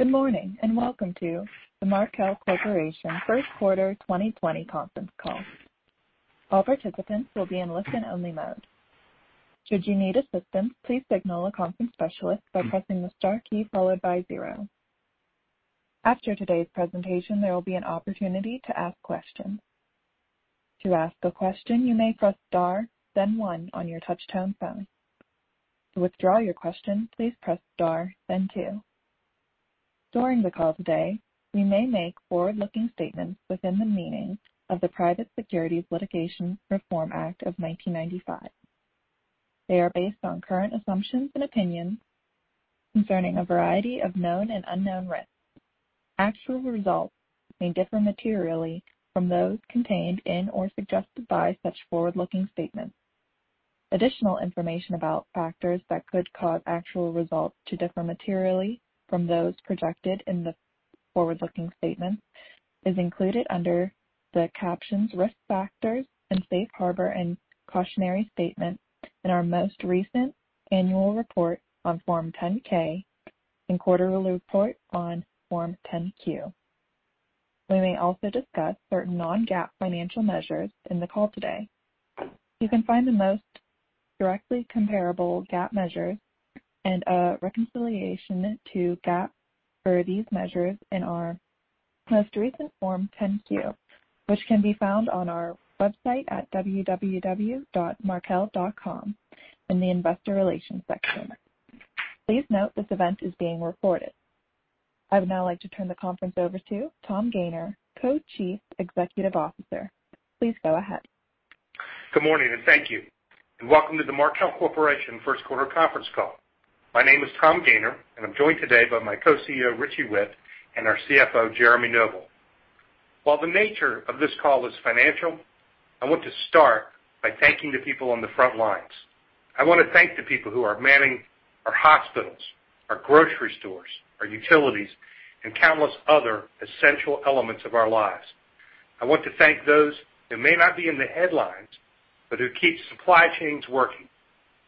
Good morning, and welcome to the Markel Corporation First Quarter 2020 conference call. All participants will be in listen-only mode. Should you need assistance, please signal a conference specialist by pressing the star key followed by zero. After today's presentation, there will be an opportunity to ask questions. To ask a question, you may press star then one on your touch-tone phone. To withdraw your question, please press star then two. During the call today, we may make forward-looking statements within the meaning of the Private Securities Litigation Reform Act of 1995. They are based on current assumptions and opinions concerning a variety of known and unknown risks. Actual results may differ materially from those contained in or suggested by such forward-looking statements. Additional information about factors that could cause actual results to differ materially from those projected in the forward-looking statements is included under the captions "Risk Factors" and "Safe Harbor and Cautionary Statements" in our most recent annual report on Form 10-K and quarterly report on Form 10-Q. We may also discuss certain non-GAAP financial measures in the call today. You can find the most directly comparable GAAP measures and a reconciliation to GAAP for these measures in our most recent Form 10-Q, which can be found on our website at www.markel.com in the investor relations section. Please note this event is being recorded. I would now like to turn the conference over to Tom Gayner, Co-Chief Executive Officer. Please go ahead. Good morning, and thank you. Welcome to the Markel Corporation first quarter conference call. My name is Tom Gayner, and I'm joined today by my co-CEO, Richie Whitt, and our CFO, Jeremy Noble. While the nature of this call is financial, I want to start by thanking the people on the front lines. I want to thank the people who are manning our hospitals, our grocery stores, our utilities, and countless other essential elements of our lives. I want to thank those that may not be in the headlines, but who keep supply chains working.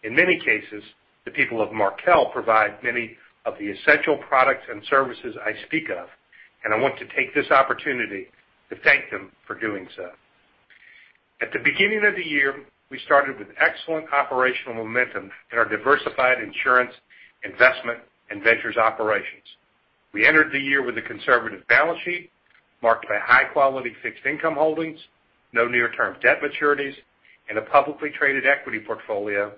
In many cases, the people of Markel provide many of the essential products and services I speak of, and I want to take this opportunity to thank them for doing so. At the beginning of the year, we started with excellent operational momentum in our diversified insurance, investment, and ventures operations. We entered the year with a conservative balance sheet marked by high-quality fixed income holdings, no near-term debt maturities, and a publicly traded equity portfolio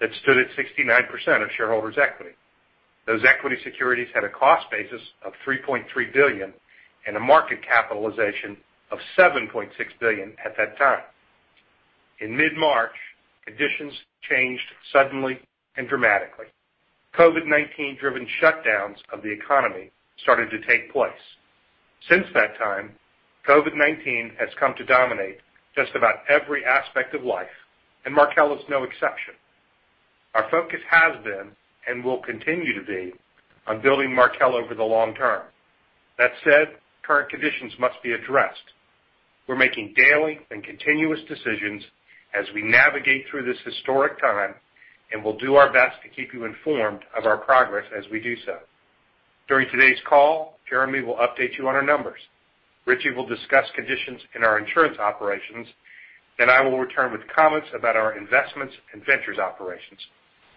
that stood at 69% of shareholders' equity. Those equity securities had a cost basis of $3.3 billion and a market capitalization of $7.6 billion at that time. In mid-March, conditions changed suddenly and dramatically. COVID-19 driven shutdowns of the economy started to take place. Since that time, COVID-19 has come to dominate just about every aspect of life, and Markel is no exception. Our focus has been, and will continue to be, on building Markel over the long term. That said, current conditions must be addressed. We're making daily and continuous decisions as we navigate through this historic time, and we'll do our best to keep you informed of our progress as we do so. During today's call, Jeremy will update you on our numbers. Richie will discuss conditions in our insurance operations, then I will return with comments about our investments and ventures operations.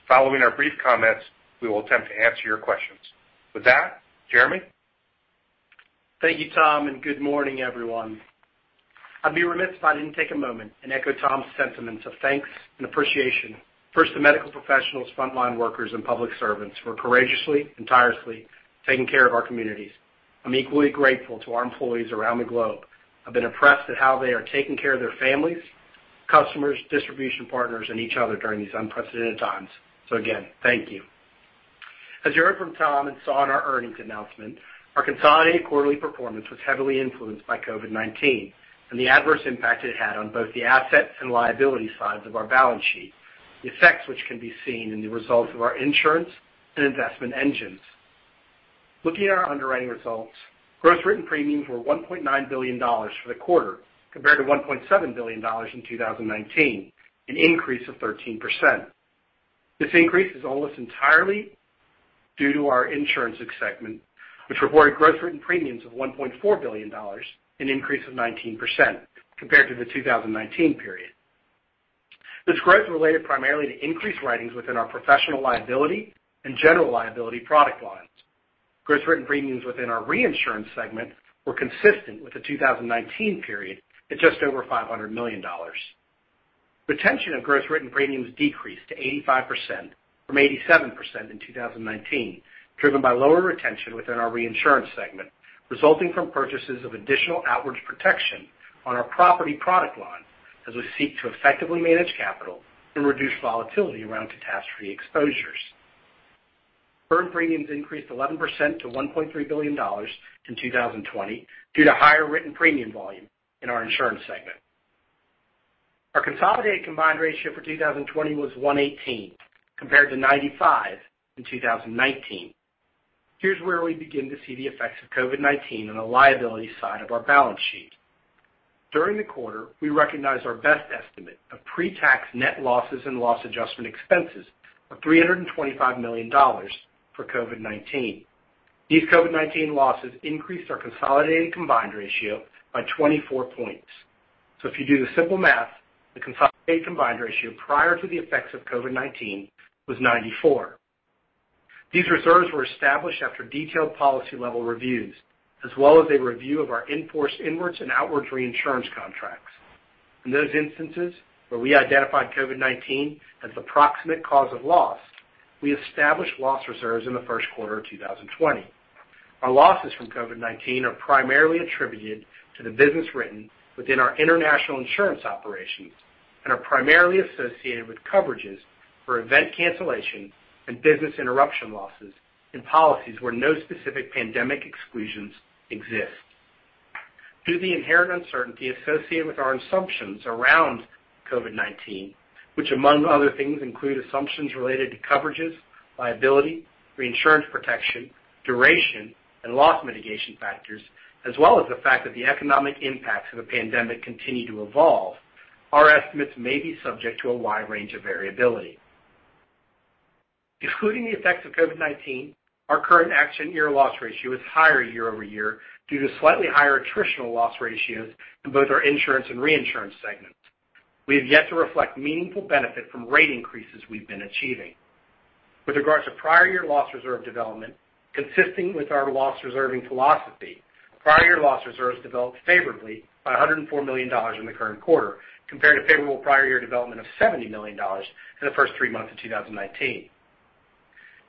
Following our brief comments, we will attempt to answer your questions. With that, Jeremy? Thank you, Tom. Good morning, everyone. I'd be remiss if I didn't take a moment and echo Tom's sentiments of thanks and appreciation, first to medical professionals, frontline workers, and public servants for courageously and tirelessly taking care of our communities. I'm equally grateful to our employees around the globe. I've been impressed at how they are taking care of their families, customers, distribution partners, and each other during these unprecedented times. Again, thank you. As you heard from Tom and saw in our earnings announcement, our consolidated quarterly performance was heavily influenced by COVID-19 and the adverse impact it had on both the assets and liability sides of our balance sheet, the effects which can be seen in the results of our insurance and investment engines. Looking at our underwriting results, gross written premiums were $1.9 billion for the quarter compared to $1.7 billion in 2019, an increase of 13%. This increase is almost entirely due to our insurance segment, which reported gross written premiums of $1.4 billion, an increase of 19% compared to the 2019 period. This growth related primarily to increased writings within our professional liability and general liability product lines. Gross written premiums within our reinsurance segment were consistent with the 2019 period at just over $500 million. Retention of gross written premiums decreased to 85% from 87% in 2019, driven by lower retention within our reinsurance segment, resulting from purchases of additional outwards protection on our property product line as we seek to effectively manage capital and reduce volatility around catastrophe exposures. Earned premiums increased 11% to $1.3 billion in 2020 due to higher written premium volume in our Insurance segment. Our consolidated combined ratio for 2020 was 118, compared to 95 in 2019. Here's where we begin to see the effects of COVID-19 on the liability side of our balance sheet. During the quarter, we recognized our best estimate of pre-tax net losses and loss adjustment expenses of $325 million for COVID-19. These COVID-19 losses increased our consolidated combined ratio by 24 points. If you do the simple math, the consolidated combined ratio prior to the effects of COVID-19 was 94. These reserves were established after detailed policy-level reviews, as well as a review of our in-force inwards and outwards reinsurance contracts. In those instances where we identified COVID-19 as the proximate cause of loss, we established loss reserves in the first quarter of 2020. Our losses from COVID-19 are primarily attributed to the business written within our international insurance operations and are primarily associated with coverages for event cancellation and business interruption losses in policies where no specific pandemic exclusions exist. Due to the inherent uncertainty associated with our assumptions around COVID-19, which among other things, include assumptions related to coverages, liability, reinsurance protection, duration, and loss mitigation factors, as well as the fact that the economic impacts of the pandemic continue to evolve, our estimates may be subject to a wide range of variability. Excluding the effects of COVID-19, our current accident year loss ratio is higher year-over-year due to slightly higher attritional loss ratios in both our insurance and reinsurance segments. We have yet to reflect meaningful benefit from rate increases we've been achieving. With regards to prior year loss reserve development, consistent with our loss reserving philosophy, prior year loss reserves developed favorably by $104 million in the current quarter compared to favorable prior year development of $70 million in the first three months of 2019.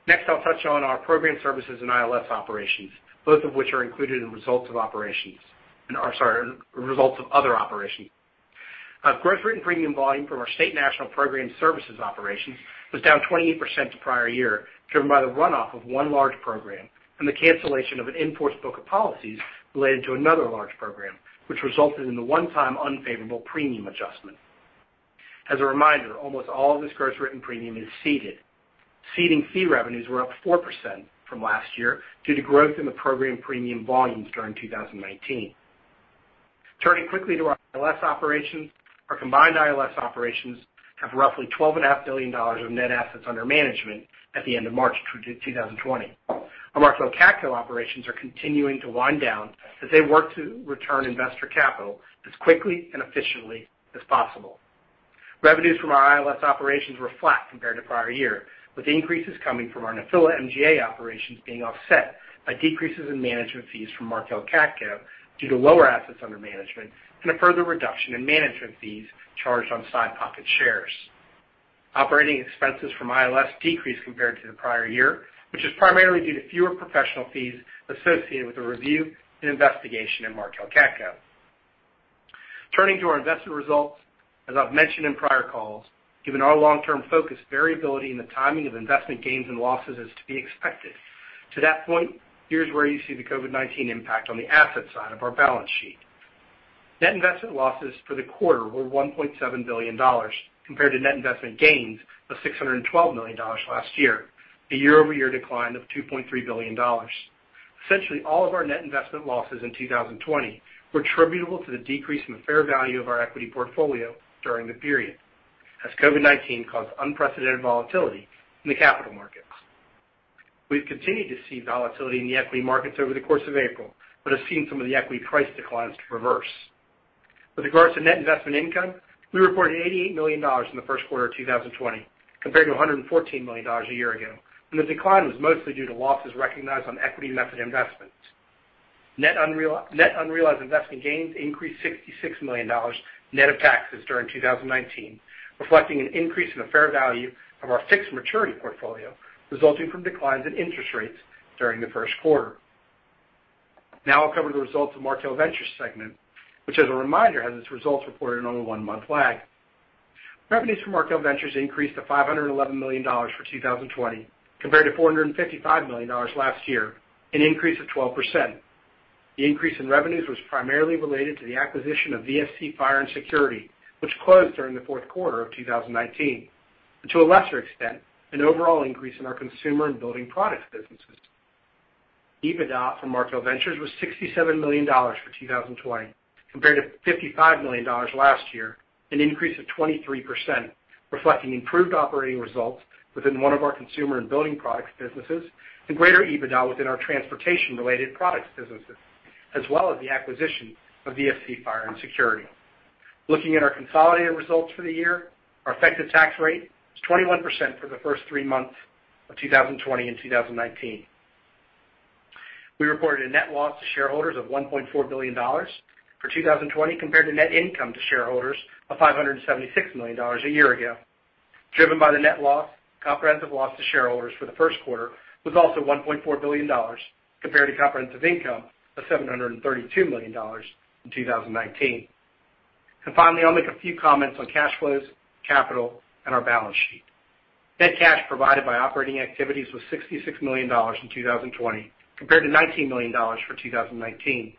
Next, I'll touch on our program services and ILS operations, both of which are included in results of other operations. Gross written premium volume from our State National program services operations was down 28% to prior year, driven by the runoff of one large program and the cancellation of an in-force book of policies related to another large program, which resulted in the one-time unfavorable premium adjustment. As a reminder, almost all of this gross written premium is ceded. Ceding fee revenues were up 4% from last year due to growth in the program premium volumes during 2019. Turning quickly to our ILS operations, our combined ILS operations have roughly $12.5 billion of net assets under management at the end of March 2020. Our Markel CATCo operations are continuing to wind down as they work to return investor capital as quickly and efficiently as possible. Revenues from our ILS operations were flat compared to prior year, with increases coming from our Nephila MGA operations being offset by decreases in management fees from Markel CATCo due to lower assets under management and a further reduction in management fees charged on side pocket shares. Operating expenses from ILS decreased compared to the prior year, which is primarily due to fewer professional fees associated with the review and investigation in Markel CATCo. Turning to our investment results, as I've mentioned in prior calls, given our long-term focus, variability in the timing of investment gains and losses is to be expected. To that point, here's where you see the COVID-19 impact on the asset side of our balance sheet. Net investment losses for the quarter were $1.7 billion compared to net investment gains of $612 million last year, a year-over-year decline of $2.3 billion. Essentially all of our net investment losses in 2020 were attributable to the decrease in the fair value of our equity portfolio during the period, as COVID-19 caused unprecedented volatility in the capital markets. We've continued to see volatility in the equity markets over the course of April but have seen some of the equity price declines reverse. With regards to net investment income, we reported $88 million in the first quarter of 2020 compared to $114 million a year ago, and the decline was mostly due to losses recognized on equity method investments. Net unrealized investment gains increased $66 million net of taxes during 2019, reflecting an increase in the fair value of our fixed maturity portfolio resulting from declines in interest rates during the first quarter. I'll cover the results of Markel Ventures segment, which as a reminder, has its results reported on a one-month lag. Revenues for Markel Ventures increased to $511 million for 2020 compared to $455 million last year, an increase of 12%. The increase in revenues was primarily related to the acquisition of VSC Fire & Security, which closed during the fourth quarter of 2019, and to a lesser extent, an overall increase in our consumer and building products businesses. EBITDA for Markel Ventures was $67 million for 2020 compared to $55 million last year, an increase of 23%, reflecting improved operating results within one of our consumer and building products businesses and greater EBITDA within our transportation-related products businesses, as well as the acquisition of VSC Fire & Security. Looking at our consolidated results for the year, our effective tax rate was 21% for the first three months of 2020 and 2019. We reported a net loss to shareholders of $1.4 billion for 2020 compared to net income to shareholders of $576 million a year ago. Driven by the net loss, comprehensive loss to shareholders for the first quarter was also $1.4 billion compared to comprehensive income of $732 million in 2019. Finally, I'll make a few comments on cash flows, capital, and our balance sheet. Net cash provided by operating activities was $66 million in 2020 compared to $19 million for 2019.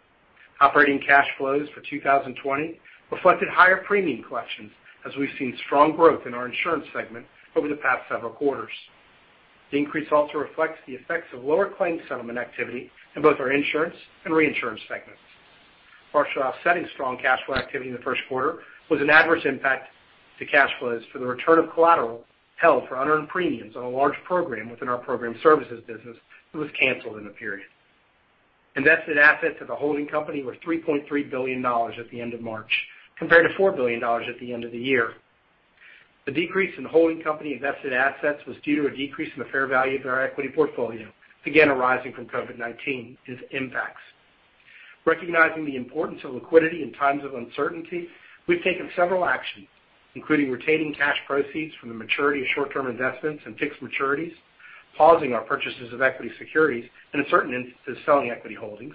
Operating cash flows for 2020 reflected higher premium collections as we've seen strong growth in our insurance segment over the past several quarters. The increase also reflects the effects of lower claim settlement activity in both our insurance and reinsurance segments. Partially offsetting strong cash flow activity in the first quarter was an adverse impact to cash flows for the return of collateral held for unearned premiums on a large program within our program services business that was canceled in the period. Invested assets of the holding company were $3.3 billion at the end of March, compared to $4 billion at the end of the year. The decrease in holding company invested assets was due to a decrease in the fair value of our equity portfolio, again, arising from COVID-19's impacts. Recognizing the importance of liquidity in times of uncertainty, we've taken several actions, including retaining cash proceeds from the maturity of short-term investments and fixed maturities, pausing our purchases of equity securities, and in certain instances, selling equity holdings,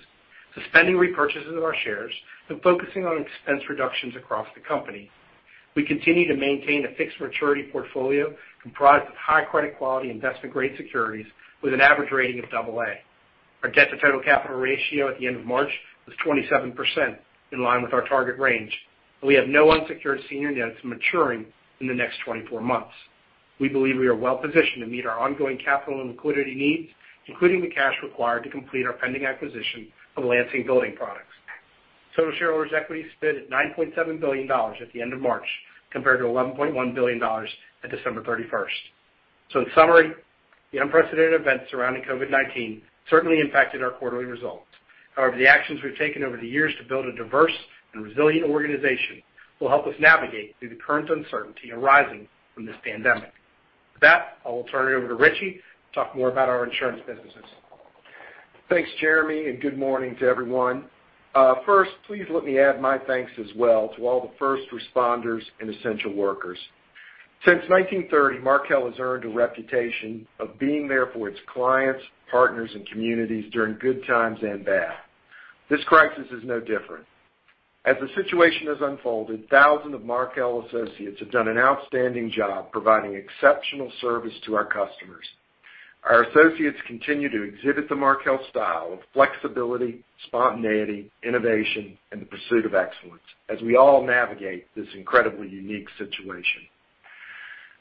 suspending repurchases of our shares, and focusing on expense reductions across the company. We continue to maintain a fixed maturity portfolio comprised of high credit quality investment-grade securities with an average rating of double A. Our debt-to-total capital ratio at the end of March was 27%, in line with our target range, and we have no unsecured senior debts maturing in the next 24 months. We believe we are well-positioned to meet our ongoing capital and liquidity needs, including the cash required to complete our pending acquisition of Lansing Building Products. Total shareholders' equity stood at $9.7 billion at the end of March, compared to $11.1 billion at December 31st. In summary, the unprecedented events surrounding COVID-19 certainly impacted our quarterly results. However, the actions we've taken over the years to build a diverse and resilient organization will help us navigate through the current uncertainty arising from this pandemic. With that, I will turn it over to Richie to talk more about our insurance businesses. Thanks, Jeremy. Good morning to everyone. First, please let me add my thanks as well to all the first responders and essential workers. Since 1930, Markel has earned a reputation of being there for its clients, partners, and communities during good times and bad. This crisis is no different. As the situation has unfolded, thousands of Markel associates have done an outstanding job providing exceptional service to our customers. Our associates continue to exhibit the Markel style of flexibility, spontaneity, innovation, and the pursuit of excellence as we all navigate this incredibly unique situation.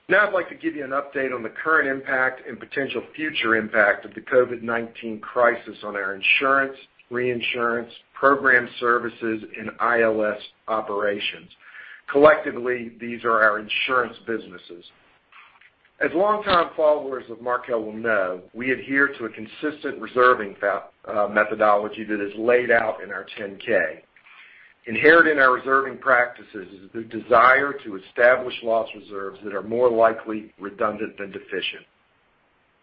Now I'd like to give you an update on the current impact and potential future impact of the COVID-19 crisis on our insurance, reinsurance, program services, and ILS operations. Collectively, these are our insurance businesses. As longtime followers of Markel will know, we adhere to a consistent reserving methodology that is laid out in our 10-K. Inherent in our reserving practices is the desire to establish loss reserves that are more likely redundant than deficient.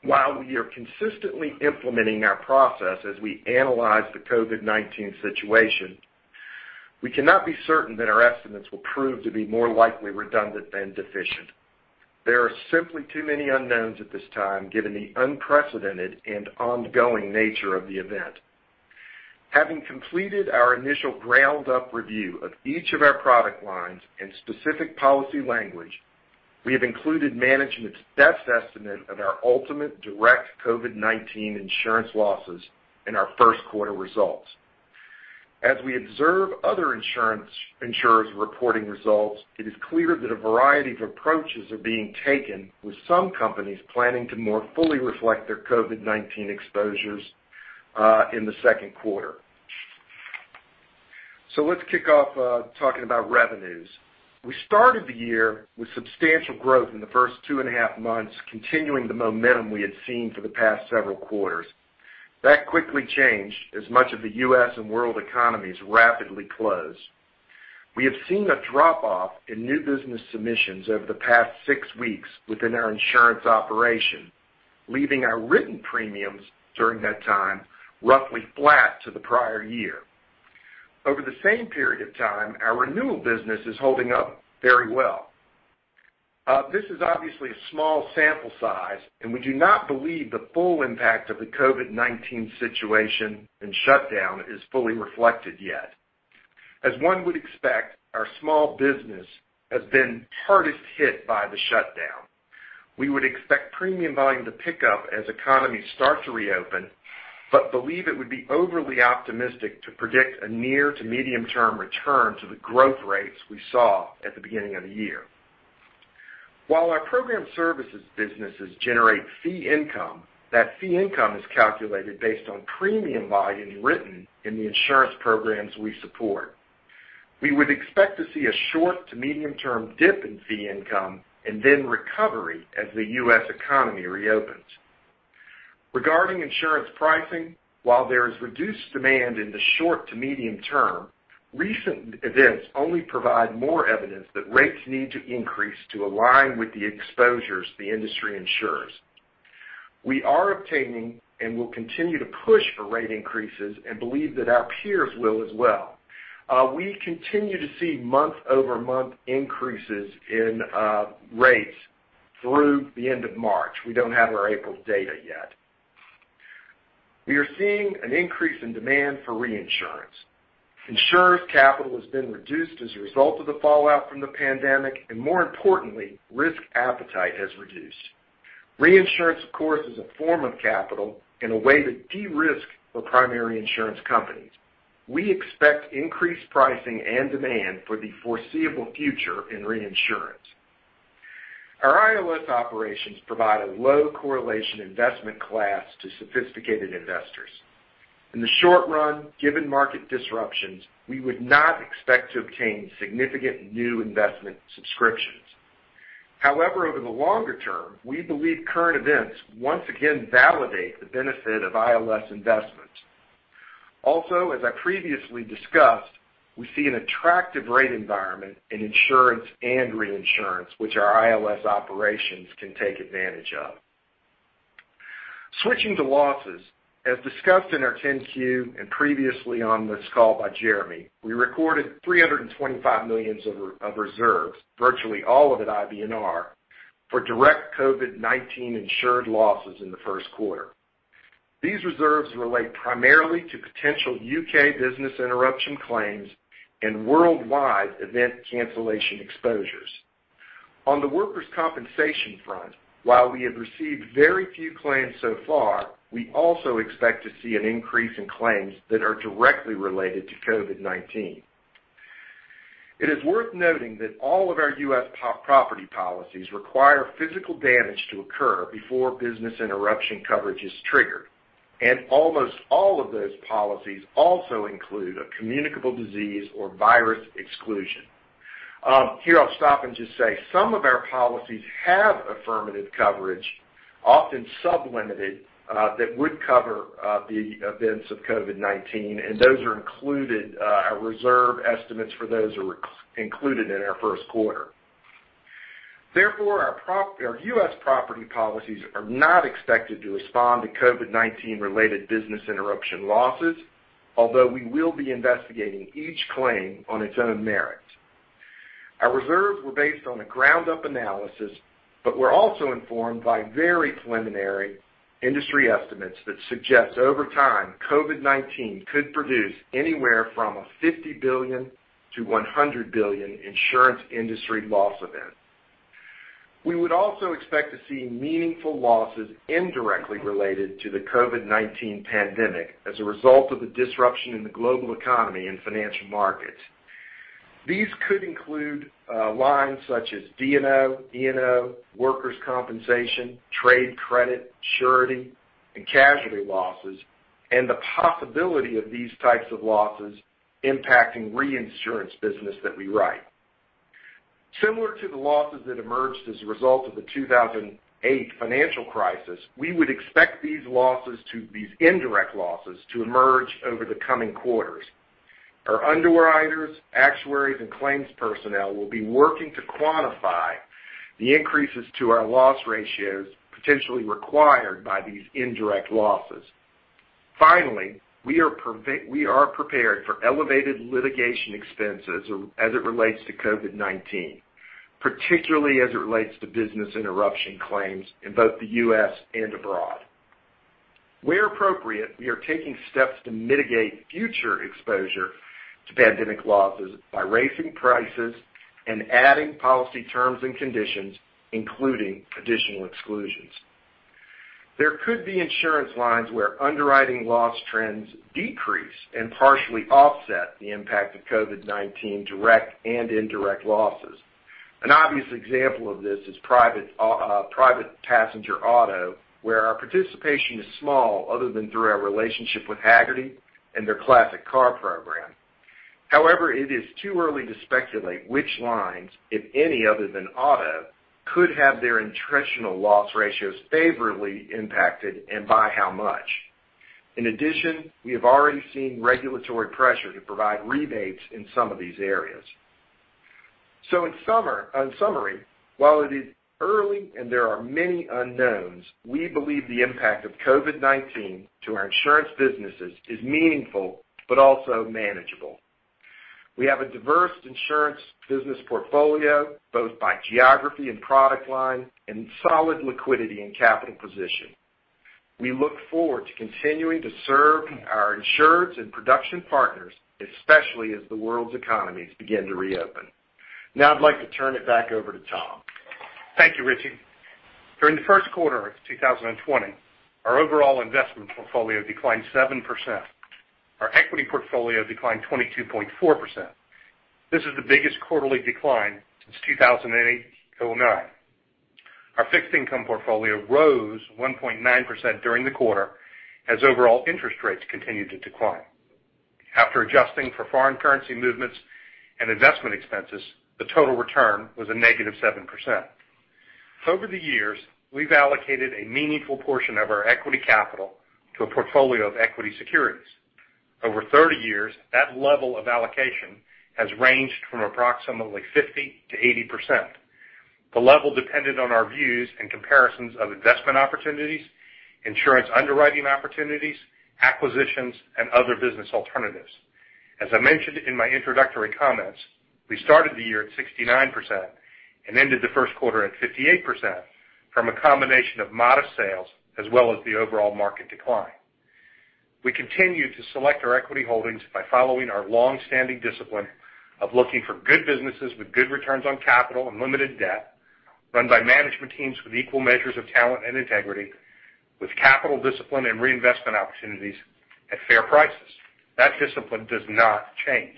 While we are consistently implementing our process as we analyze the COVID-19 situation, we cannot be certain that our estimates will prove to be more likely redundant than deficient. There are simply too many unknowns at this time, given the unprecedented and ongoing nature of the event. Having completed our initial ground-up review of each of our product lines and specific policy language, we have included management's best estimate of our ultimate direct COVID-19 insurance losses in our first quarter results. As we observe other insurers reporting results, it is clear that a variety of approaches are being taken, with some companies planning to more fully reflect their COVID-19 exposures in the second quarter. Let's kick off talking about revenues. We started the year with substantial growth in the first two and a half months, continuing the momentum we had seen for the past several quarters. That quickly changed as much of the U.S. and world economies rapidly closed. We have seen a drop-off in new business submissions over the past six weeks within our insurance operation, leaving our written premiums during that time roughly flat to the prior year. Over the same period of time, our renewal business is holding up very well. This is obviously a small sample size, and we do not believe the full impact of the COVID-19 situation and shutdown is fully reflected yet. As one would expect, our small business has been hardest hit by the shutdown. We would expect premium volume to pick up as economies start to reopen, but believe it would be overly optimistic to predict a near to medium-term return to the growth rates we saw at the beginning of the year. While our program services businesses generate fee income, that fee income is calculated based on premium volume written in the insurance programs we support. We would expect to see a short to medium-term dip in fee income and then recovery as the U.S. economy reopens. Regarding insurance pricing, while there is reduced demand in the short to medium term, recent events only provide more evidence that rates need to increase to align with the exposures the industry insures. We are obtaining and will continue to push for rate increases and believe that our peers will as well. We continue to see month-over-month increases in rates through the end of March. We don't have our April data yet. We are seeing an increase in demand for reinsurance. Insurers' capital has been reduced as a result of the fallout from the pandemic, and more importantly, risk appetite has reduced. Reinsurance, of course, is a form of capital and a way to de-risk for primary insurance companies. We expect increased pricing and demand for the foreseeable future in reinsurance. Our ILS operations provide a low correlation investment class to sophisticated investors. In the short run, given market disruptions, we would not expect to obtain significant new investment subscriptions. Over the longer-term, we believe current events once again validate the benefit of ILS investments. As I previously discussed, we see an attractive rate environment in insurance and reinsurance, which our ILS operations can take advantage of. Switching to losses, as discussed in our 10-Q and previously on this call by Jeremy, we recorded $325 million of reserves, virtually all of it IBNR, for direct COVID-19 insured losses in the first quarter. These reserves relate primarily to potential U.K. business interruption claims and worldwide event cancellation exposures. On the workers' compensation front, while we have received very few claims so far, we also expect to see an increase in claims that are directly related to COVID-19. It is worth noting that all of our U.S. property policies require physical damage to occur before business interruption coverage is triggered, and almost all of those policies also include a communicable disease or virus exclusion. Here, I'll stop and just say some of our policies have affirmative coverage, often sub-limited, that would cover the events of COVID-19, and our reserve estimates for those are included in our first quarter. Therefore, our U.S. property policies are not expected to respond to COVID-19 related business interruption losses, although we will be investigating each claim on its own merit. Our reserves were based on a ground-up analysis, were also informed by very preliminary industry estimates that suggest over time, COVID-19 could produce anywhere from a $50 billion-$100 billion insurance industry loss event. We would also expect to see meaningful losses indirectly related to the COVID-19 pandemic as a result of the disruption in the global economy and financial markets. These could include lines such as D&O, E&O, workers' compensation, trade credit, surety, and casualty losses, and the possibility of these types of losses impacting reinsurance business that we write. Similar to the losses that emerged as a result of the 2008 financial crisis, we would expect these indirect losses to emerge over the coming quarters. Our underwriters, actuaries, and claims personnel will be working to quantify the increases to our loss ratios potentially required by these indirect losses. Finally, we are prepared for elevated litigation expenses as it relates to COVID-19, particularly as it relates to business interruption claims in both the U.S. and abroad. Where appropriate, we are taking steps to mitigate future exposure to pandemic losses by raising prices and adding policy terms and conditions, including additional exclusions. There could be insurance lines where underwriting loss trends decrease and partially offset the impact of COVID-19 direct and indirect losses. An obvious example of this is private passenger auto, where our participation is small other than through our relationship with Hagerty and their classic car program. However, it is too early to speculate which lines, if any other than auto, could have their attritional loss ratios favorably impacted and by how much. In addition, we have already seen regulatory pressure to provide rebates in some of these areas. In summary, while it is early and there are many unknowns, we believe the impact of COVID-19 to our insurance businesses is meaningful but also manageable. We have a diverse insurance business portfolio, both by geography and product line, and solid liquidity and capital position. We look forward to continuing to serve our insureds and production partners, especially as the world's economies begin to reopen. Now I'd like to turn it back over to Tom. Thank you, Richie. During the first quarter of 2020, our overall investment portfolio declined 7%. Our equity portfolio declined 22.4%. This is the biggest quarterly decline since 2008/2009. Our fixed income portfolio rose 1.9% during the quarter as overall interest rates continued to decline. After adjusting for foreign currency movements and investment expenses, the total return was a negative 7%. Over the years, we've allocated a meaningful portion of our equity capital to a portfolio of equity securities. Over 30 years, that level of allocation has ranged from approximately 50%-80%. The level depended on our views and comparisons of investment opportunities, insurance underwriting opportunities, acquisitions, and other business alternatives. As I mentioned in my introductory comments, we started the year at 69% and ended the first quarter at 58%, from a combination of modest sales as well as the overall market decline. We continue to select our equity holdings by following our longstanding discipline of looking for good businesses with good returns on capital and limited debt. Run by management teams with equal measures of talent and integrity, with capital discipline and reinvestment opportunities at fair prices. That discipline does not change.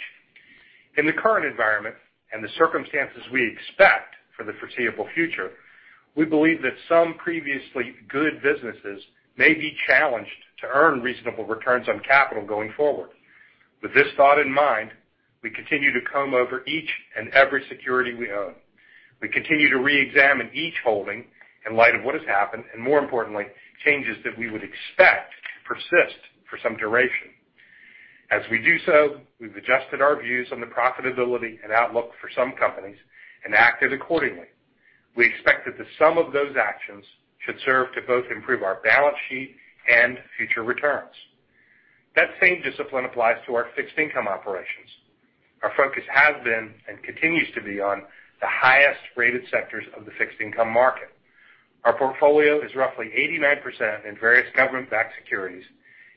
In the current environment and the circumstances we expect for the foreseeable future, we believe that some previously good businesses may be challenged to earn reasonable returns on capital going forward. With this thought in mind, we continue to comb over each and every security we own. We continue to reexamine each holding in light of what has happened, and more importantly, changes that we would expect persist for some duration. As we do so, we've adjusted our views on the profitability and outlook for some companies and acted accordingly. We expect that the sum of those actions should serve to both improve our balance sheet and future returns. That same discipline applies to our fixed income operations. Our focus has been, and continues to be, on the highest-rated sectors of the fixed income market. Our portfolio is roughly 89% in various government-backed securities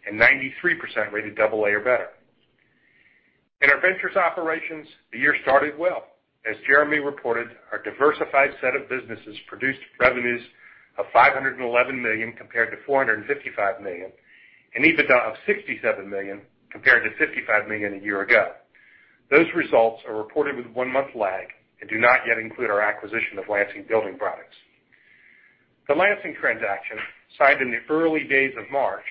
and 93% rated double A or better. In our ventures operations, the year started well. As Jeremy reported, our diversified set of businesses produced revenues of $511 million compared to $455 million, and EBITDA of $67 million compared to $55 million a year ago. Those results are reported with one month lag and do not yet include our acquisition of Lansing Building Products. The Lansing transaction, signed in the early days of March,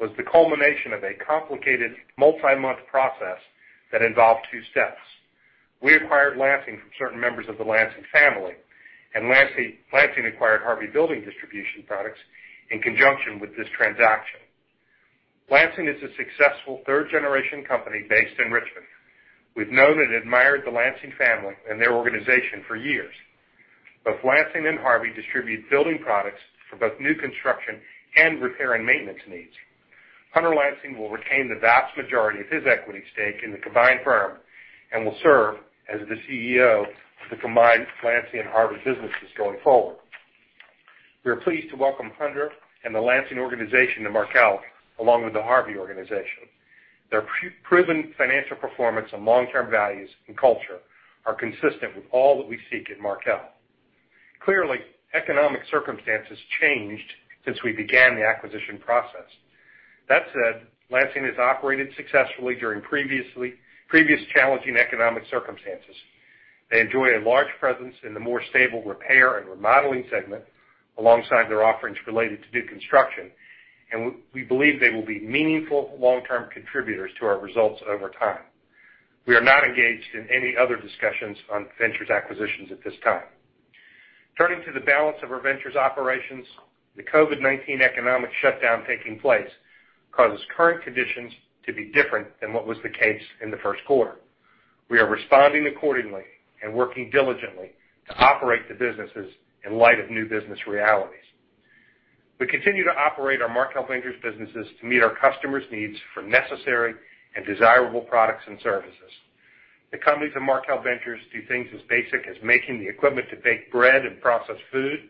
was the culmination of a complicated multi-month process that involved two steps. We acquired Lansing from certain members of the Lansing family, and Lansing acquired Harvey Building Products in conjunction with this transaction. Lansing is a successful third-generation company based in Richmond. We've known and admired the Lansing family and their organization for years. Both Lansing and Harvey distribute building products for both new construction and repair and maintenance needs. Hunter Lansing will retain the vast majority of his equity stake in the combined firm and will serve as the CEO of the combined Lansing and Harvey businesses going forward. We are pleased to welcome Hunter and the Lansing organization to Markel, along with the Harvey organization. Their proven financial performance and long-term values and culture are consistent with all that we seek at Markel. Clearly, economic circumstances changed since we began the acquisition process. That said, Lansing has operated successfully during previous challenging economic circumstances. They enjoy a large presence in the more stable repair and remodeling segment, alongside their offerings related to new construction. We believe they will be meaningful long-term contributors to our results over time. We are not engaged in any other discussions on Ventures acquisitions at this time. Turning to the balance of our Ventures operations, the COVID-19 economic shutdown taking place causes current conditions to be different than what was the case in the first quarter. We are responding accordingly and working diligently to operate the businesses in light of new business realities. We continue to operate our Markel Ventures businesses to meet our customers' needs for necessary and desirable products and services. The companies of Markel Ventures do things as basic as making the equipment to bake bread and process food,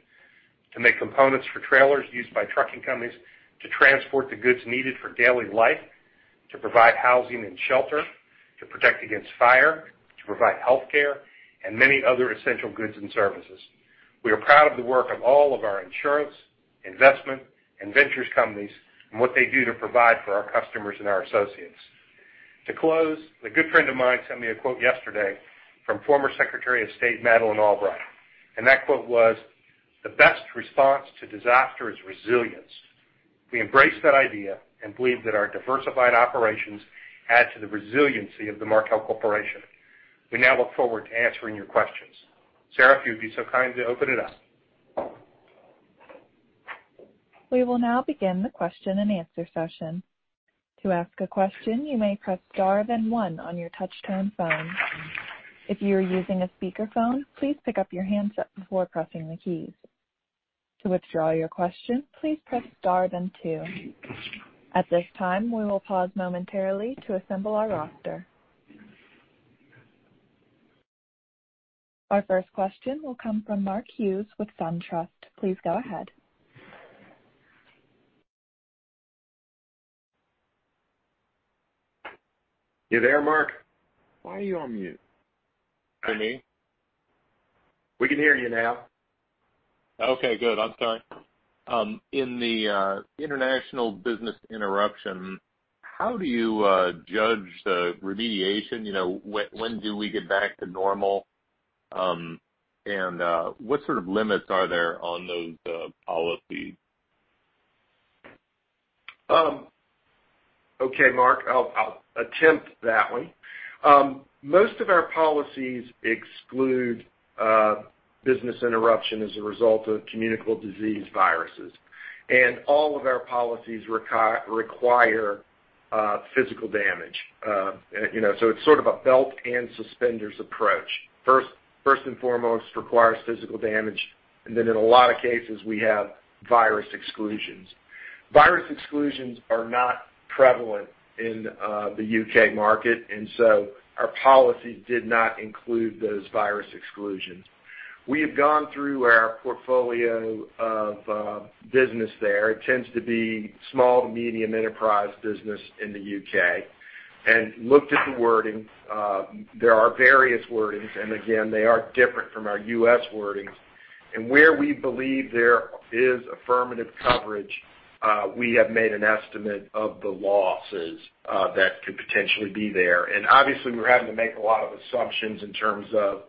to make components for trailers used by trucking companies to transport the goods needed for daily life, to provide housing and shelter, to protect against fire, to provide healthcare, and many other essential goods and services. We are proud of the work of all of our insurance, investment, and ventures companies and what they do to provide for our customers and our associates. To close, a good friend of mine sent me a quote yesterday from former Secretary of State Madeleine Albright, and that quote was, "The best response to disaster is resilience." We embrace that idea and believe that our diversified operations add to the resiliency of the Markel Corporation. We now look forward to answering your questions. Sarah, if you'd be so kind to open it up. We will now begin the question-and-answer session. To ask a question, you may press star one on your touchtone phone. If you are using a speakerphone, please pick up your handset before pressing the keys. To withdraw your question, please press star then two. At this time, we will pause momentarily to assemble our roster. Our first question will come from Mark Hughes with SunTrust. Please go ahead. You there, Mark? Why are you on mute? Can you hear me? We can hear you now. Okay, good. I'm sorry. In the international business interruption, how do you judge the remediation? When do we get back to normal? What sort of limits are there on those policies? Okay, Mark. I'll attempt that one. Most of our policies exclude business interruption as a result of communicable disease viruses. All of our policies require physical damage. It's sort of a belt and suspenders approach. First and foremost, requires physical damage, and then in a lot of cases, we have virus exclusions. Virus exclusions are not prevalent in the U.K. market. Our policies did not include those virus exclusions. We have gone through our portfolio of business there. It tends to be small to medium enterprise business in the U.K. Looked at the wording. There are various wordings, and again, they are different from our U.S. wordings. Where we believe there is affirmative coverage, we have made an estimate of the losses that could potentially be there. Obviously we're having to make a lot of assumptions in terms of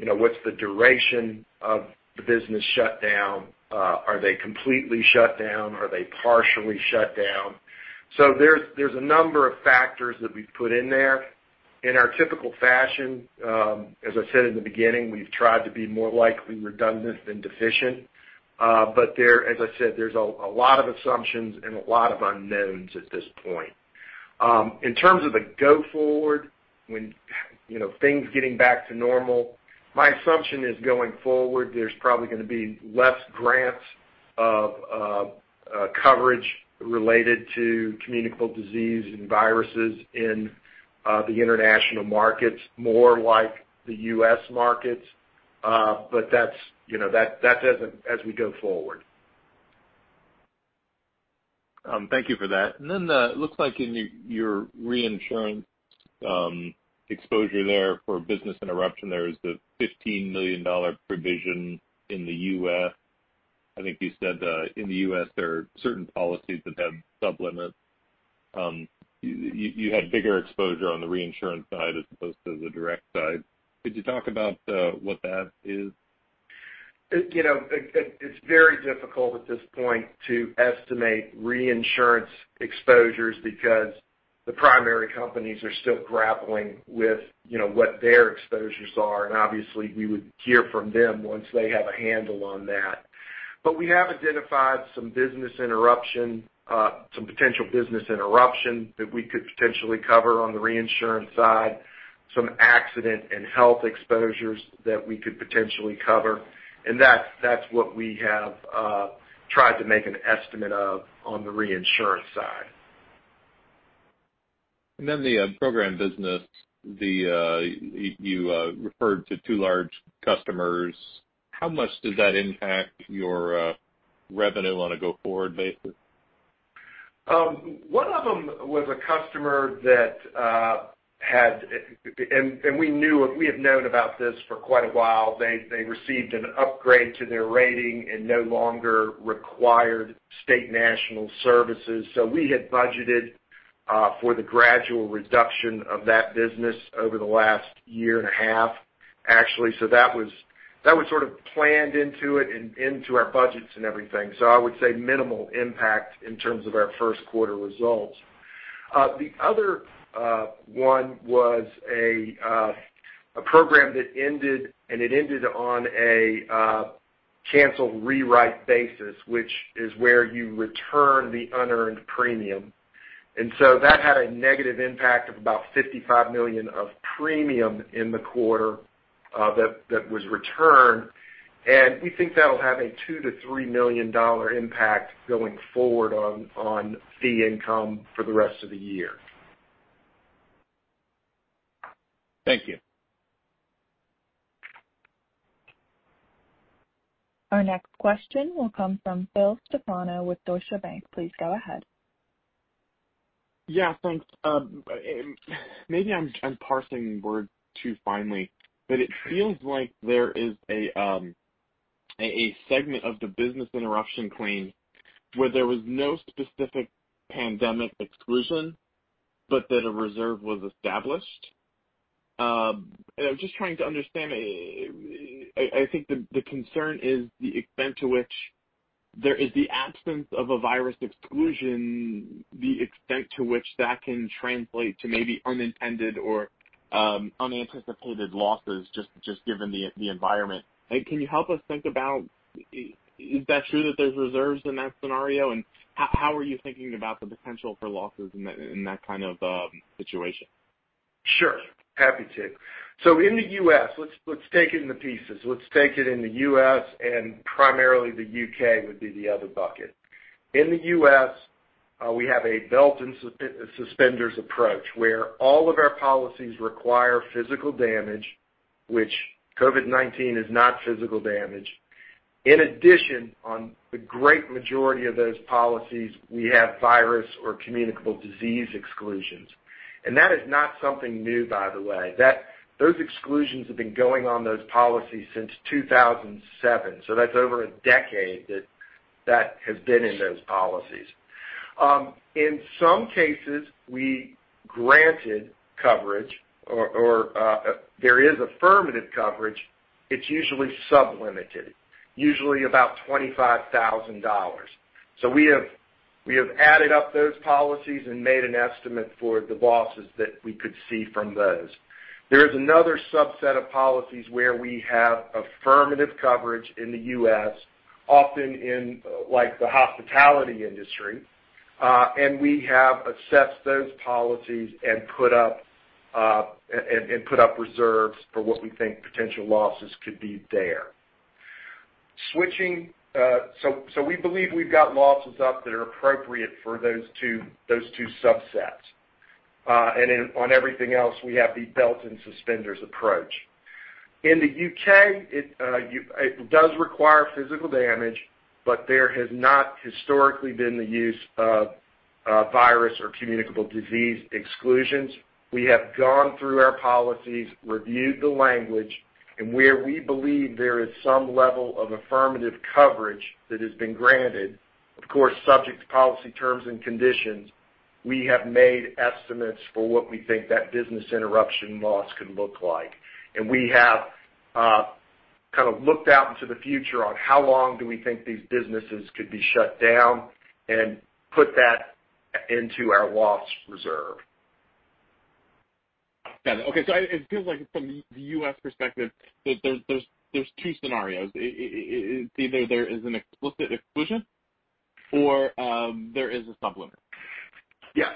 what's the duration of the business shutdown? Are they completely shut down? Are they partially shut down? There's a number of factors that we've put in there. In our typical fashion, as I said in the beginning, we've tried to be more likely redundant than deficient. As I said, there's a lot of assumptions and a lot of unknowns at this point. In terms of the go forward, when things getting back to normal, my assumption is going forward, there's probably going to be less grants of coverage related to communicable disease and viruses in the international markets, more like the U.S. markets. That's as we go forward. Thank you for that. It looks like in your reinsurance exposure there for business interruption, there is the $15 million provision in the U.S. I think you said, in the U.S. there are certain policies that have sub-limits. You had bigger exposure on the reinsurance side as opposed to the direct side. Could you talk about what that is? It's very difficult at this point to estimate reinsurance exposures because the primary companies are still grappling with what their exposures are, and obviously we would hear from them once they have a handle on that. We have identified some potential business interruption that we could potentially cover on the reinsurance side, some accident and health exposures that we could potentially cover. That's what we have tried to make an estimate of on the reinsurance side. The program business, you referred to two large customers. How much does that impact your revenue on a go-forward basis? One of them was a customer that we have known about this for quite a while. They received an upgrade to their rating and no longer required State National services. We had budgeted for the gradual reduction of that business over the last year and a half, actually. That was sort of planned into it and into our budgets and everything. I would say minimal impact in terms of our first quarter results. The other one was a program that ended. It ended on a canceled rewrite basis, which is where you return the unearned premium. That had a negative impact of about $55 million of premium in the quarter that was returned. We think that'll have a $2 million-$3 million impact going forward on fee income for the rest of the year. Thank you. Our next question will come from Phil Stefano with Deutsche Bank. Please go ahead. Yeah. Thanks. Maybe I'm parsing words too finely, but it feels like there is a segment of the business interruption claim where there was no specific pandemic exclusion, but that a reserve was established. I'm just trying to understand, I think the concern is the extent to which there is the absence of a virus exclusion, the extent to which that can translate to maybe unintended or unanticipated losses, just given the environment. Can you help us think about, is that true that there's reserves in that scenario? How are you thinking about the potential for losses in that kind of situation? Sure. Happy to. In the U.S., let's take it in the pieces. Let's take it in the U.S., primarily the U.K. would be the other bucket. In the U.S., we have a belt and suspenders approach, where all of our policies require physical damage, which COVID-19 is not physical damage. In addition, on the great majority of those policies, we have virus or communicable disease exclusions. That is not something new, by the way. Those exclusions have been going on those policies since 2007. That's over a decade that has been in those policies. In some cases, we granted coverage or there is affirmative coverage. It's usually sub-limited, usually about $25,000. We have added up those policies and made an estimate for the losses that we could see from those. There is another subset of policies where we have affirmative coverage in the U.S., often in the hospitality industry. We have assessed those policies and put up reserves for what we think potential losses could be there. We believe we've got losses up that are appropriate for those two subsets. On everything else, we have the belt and suspenders approach. In the U.K., it does require physical damage, but there has not historically been the use of virus or communicable disease exclusions. We have gone through our policies, reviewed the language, and where we believe there is some level of affirmative coverage that has been granted, of course, subject to policy terms and conditions, we have made estimates for what we think that business interruption loss can look like. We have kind of looked out into the future on how long do we think these businesses could be shut down and put that into our loss reserve. Got it. Okay. It feels like from the U.S. perspective that there's two scenarios. It's either there is an explicit exclusion or there is a sub-limit. Yes.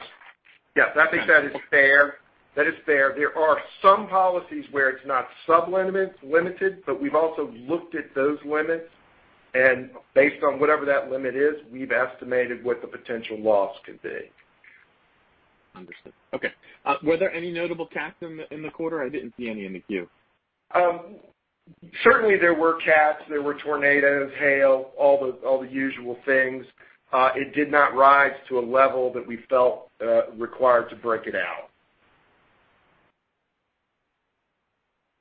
I think that is fair. There are some policies where it's not sub-limited, but we've also looked at those limits, and based on whatever that limit is, we've estimated what the potential loss could be. Understood. Okay. Were there any notable CATs in the quarter? I didn't see any in the Q. Certainly, there were CATs, there were tornadoes, hail, all the usual things. It did not rise to a level that we felt required to break it out.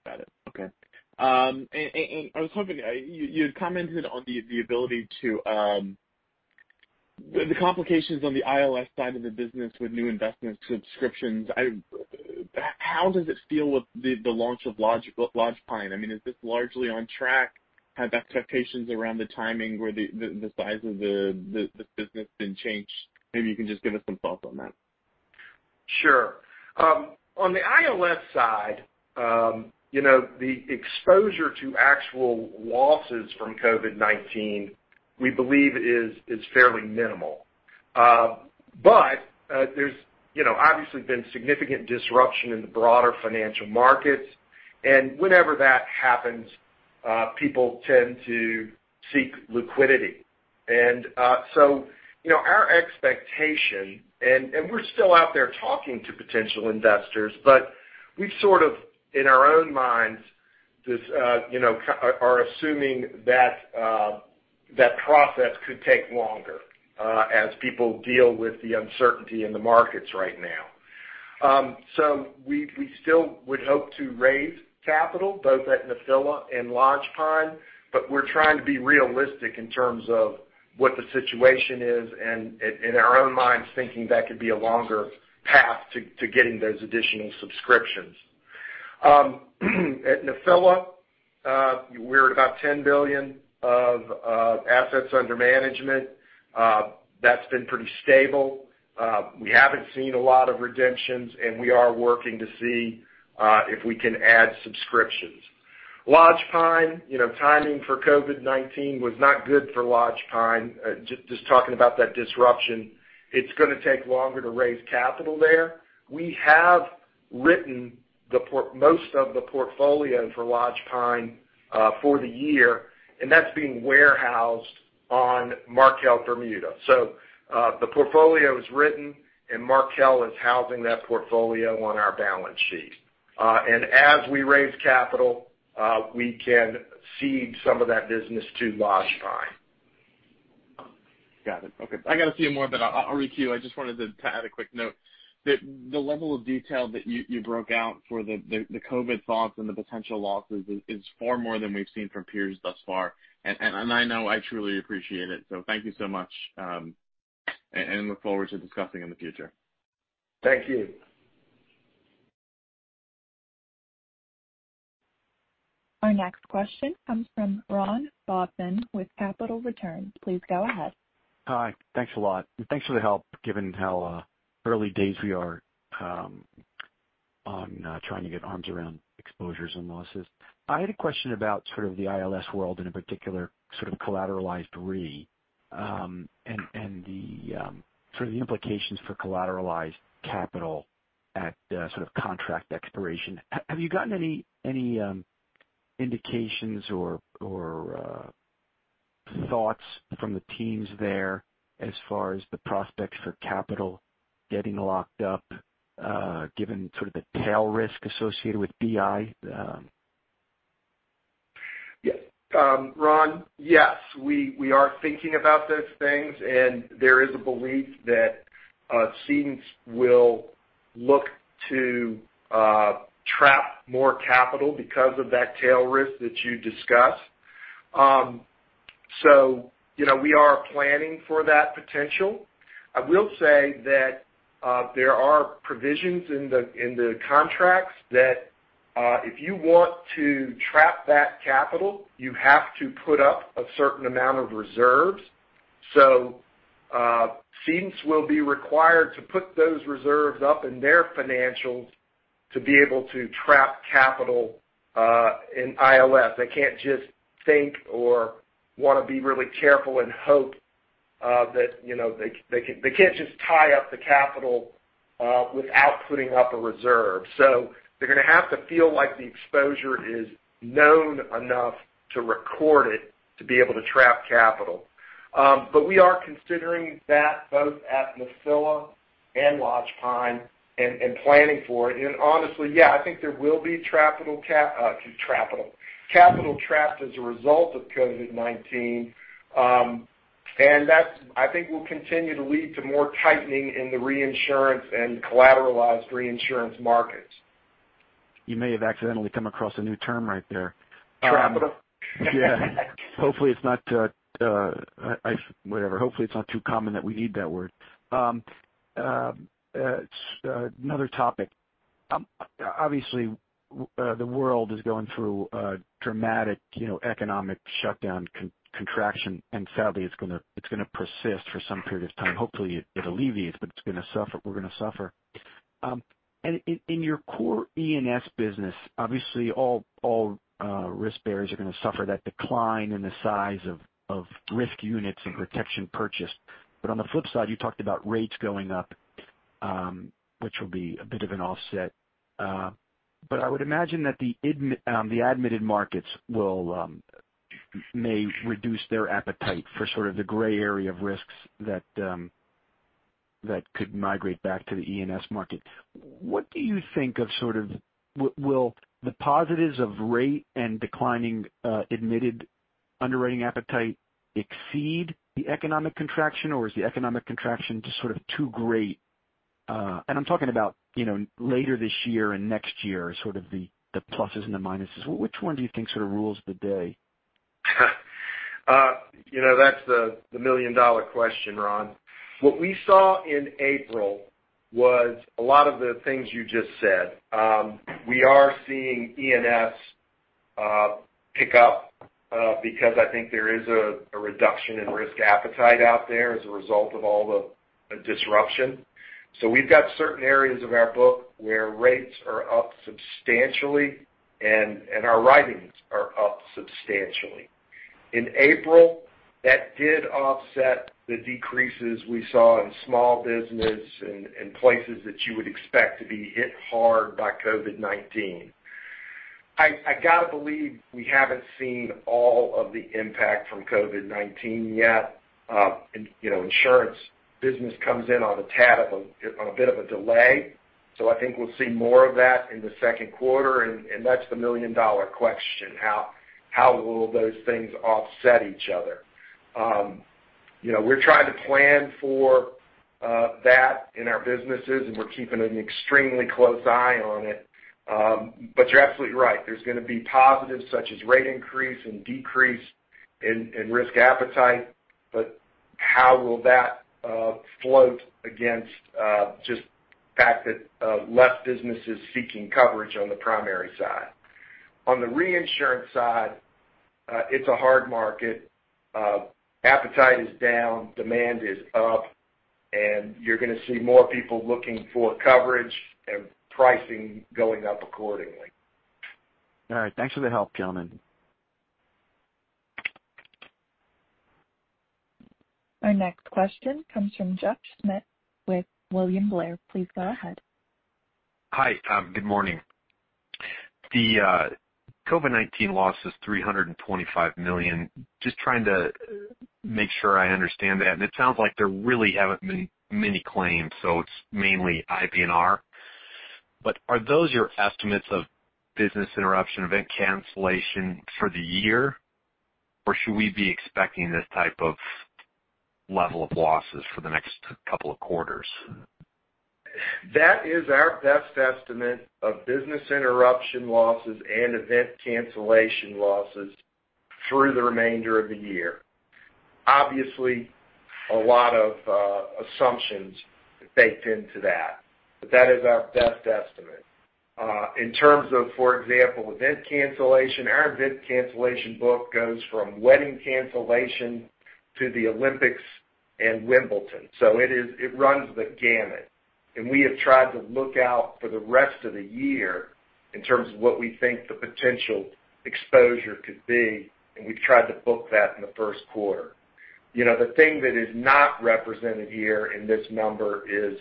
Got it. Okay. I was hoping you had commented on the complications on the ILS side of the business with new investment subscriptions. How does it feel with the launch of Lodgepine? Is this largely on track? Have expectations around the timing or the size of the business been changed? Maybe you can just give us some thoughts on that. Sure. On the ILS side, the exposure to actual losses from COVID-19, we believe is fairly minimal. There's obviously been significant disruption in the broader financial markets. Whenever that happens, people tend to seek liquidity. Our expectation, and we're still out there talking to potential investors, but we've sort of, in our own minds, are assuming that process could take longer as people deal with the uncertainty in the markets right now. We still would hope to raise capital both at Nephila and Lodgepine, but we're trying to be realistic in terms of what the situation is and, in our own minds, thinking that could be a longer path to getting those additional subscriptions. At Nephila, we're at about $10 billion of assets under management. That's been pretty stable. We haven't seen a lot of redemptions, and we are working to see if we can add subscriptions. Lodgepine, timing for COVID-19 was not good for Lodgepine. Just talking about that disruption. It's going to take longer to raise capital there. We have written most of the portfolio for Lodgepine for the year, and that's being warehoused on Markel Bermuda. The portfolio is written, and Markel is housing that portfolio on our balance sheet. As we raise capital, we can cede some of that business to Lodgepine. Got it. Okay. I got a few more, but I'll requeue. I just wanted to add a quick note. The level of detail that you broke out for the COVID thoughts and the potential losses is far more than we've seen from peers thus far, and I know I truly appreciate it. Thank you so much, and look forward to discussing in the future. Thank you. Our next question comes from Ron Bobman with Capital Returns Management. Please go ahead. Hi. Thanks a lot. Thanks for the help, given how early days we are on trying to get arms around exposures and losses. I had a question about sort of the ILS world, in particular, sort of collateralized re, the implications for collateralized capital at contract expiration. Have you gotten any indications or thoughts from the teams there as far as the prospects for capital getting locked up, given the tail risk associated with BI? Ron, yes. We are thinking about those things. There is a belief that cedents will look to trap more capital because of that tail risk that you discussed. We are planning for that potential. I will say that there are provisions in the contracts that if you want to trap that capital, you have to put up a certain amount of reserves. Cedents will be required to put those reserves up in their financials to be able to trap capital in ILS. They can't just tie up the capital without putting up a reserve. They're going to have to feel like the exposure is known enough to record it to be able to trap capital. We are considering that both at Markel and Lodgepine and planning for it. Honestly, yeah, I think there will be capital trapped as a result of COVID-19. That, I think, will continue to lead to more tightening in the reinsurance and collateralized reinsurance markets. You may have accidentally come across a new term right there. Trapital? Yeah. Hopefully it's not, whatever. Hopefully it's not too common that we need that word. Another topic. Obviously, the world is going through a dramatic economic shutdown contraction, sadly, it's going to persist for some period of time. Hopefully it alleviates, we're going to suffer. In your core E&S business, obviously all risk bearers are going to suffer that decline in the size of risk units and protection purchased. On the flip side, you talked about rates going up, which will be a bit of an offset. I would imagine that the admitted markets may reduce their appetite for sort of the gray area of risks that could migrate back to the E&S market. What do you think of, will the positives of rate and declining admitted underwriting appetite exceed the economic contraction, or is the economic contraction just sort of too great? I'm talking about later this year and next year, sort of the pluses and the minuses. Which one do you think sort of rules the day? That's the million-dollar question, Ron. What we saw in April was a lot of the things you just said. We are seeing E&S pick up because I think there is a reduction in risk appetite out there as a result of all the disruption. We've got certain areas of our book where rates are up substantially, and our writings are up substantially. In April, that did offset the decreases we saw in small business and places that you would expect to be hit hard by COVID-19. I got to believe we haven't seen all of the impact from COVID-19 yet. Insurance business comes in on a tad of a bit of a delay. I think we'll see more of that in the second quarter, and that's the million-dollar question, how will those things offset each other? We're trying to plan for that in our businesses, and we're keeping an extremely close eye on it. You're absolutely right. There's going to be positives such as rate increase and decrease in risk appetite. How will that float against just the fact that less business is seeking coverage on the primary side? On the reinsurance side, it's a hard market. Appetite is down, demand is up, and you're going to see more people looking for coverage and pricing going up accordingly. All right. Thanks for the help, chairman. Our next question comes from Jeff Schmitt with William Blair. Please go ahead. Hi. Good morning. The COVID-19 loss is $325 million. Just trying to make sure I understand that. It sounds like there really haven't been many claims, so it's mainly IBNR. Are those your estimates of business interruption event cancellation for the year, or should we be expecting this type of level of losses for the next couple of quarters? That is our best estimate of business interruption losses and event cancellation losses through the remainder of the year. A lot of assumptions baked into that, but that is our best estimate. In terms of, for example, event cancellation, our event cancellation book goes from wedding cancellation to the Olympics and Wimbledon. It runs the gamut. We have tried to look out for the rest of the year in terms of what we think the potential exposure could be, and we've tried to book that in the first quarter. The thing that is not represented here in this number is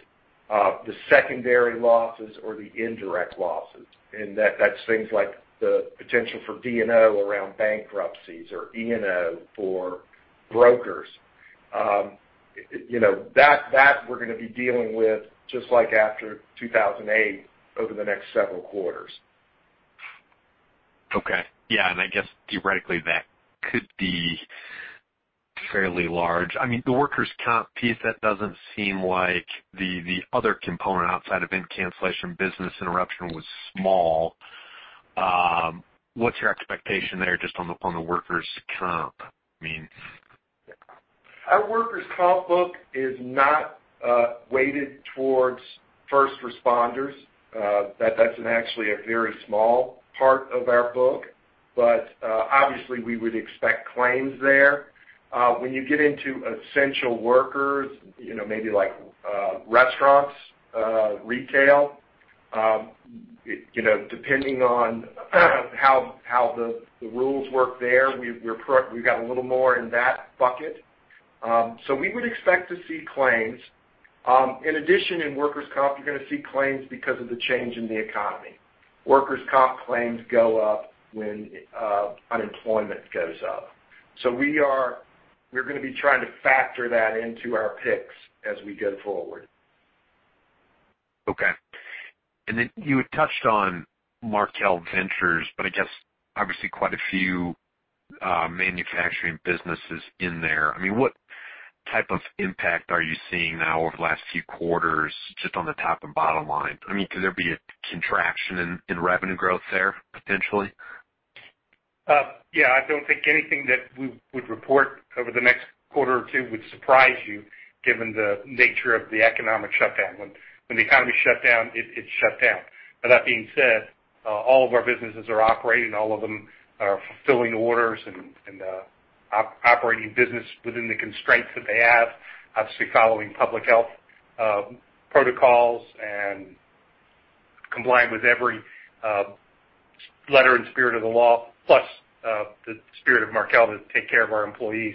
the secondary losses or the indirect losses, and that's things like the potential for D&O around bankruptcies or E&O for brokers. That, we're going to be dealing with just like after 2008, over the next several quarters. Okay. Yeah, I guess theoretically, that could be fairly large. I mean, the workers' comp piece, that doesn't seem like the other component outside event cancellation business interruption was small. What's your expectation there just upon the workers' comp? Our workers' comp book is not weighted towards first responders. That's actually a very small part of our book. Obviously, we would expect claims there. When you get into essential workers, maybe like restaurants, retail, depending on how the rules work there, we've got a little more in that bucket. We would expect to see claims In addition, in workers' comp, you're going to see claims because of the change in the economy. Workers' comp claims go up when unemployment goes up. We're going to be trying to factor that into our picks as we go forward. Okay. You had touched on Markel Ventures, but I guess obviously quite a few manufacturing businesses in there. What type of impact are you seeing now over the last few quarters, just on the top and bottom line? Could there be a contraction in revenue growth there potentially? Yeah, I don't think anything that we would report over the next quarter or two would surprise you, given the nature of the economic shutdown. When the economy shut down, it shut down. That being said, all of our businesses are operating, all of them are fulfilling orders and operating business within the constraints that they have, obviously following public health protocols and complying with every letter and spirit of the law, plus the spirit of Markel to take care of our employees.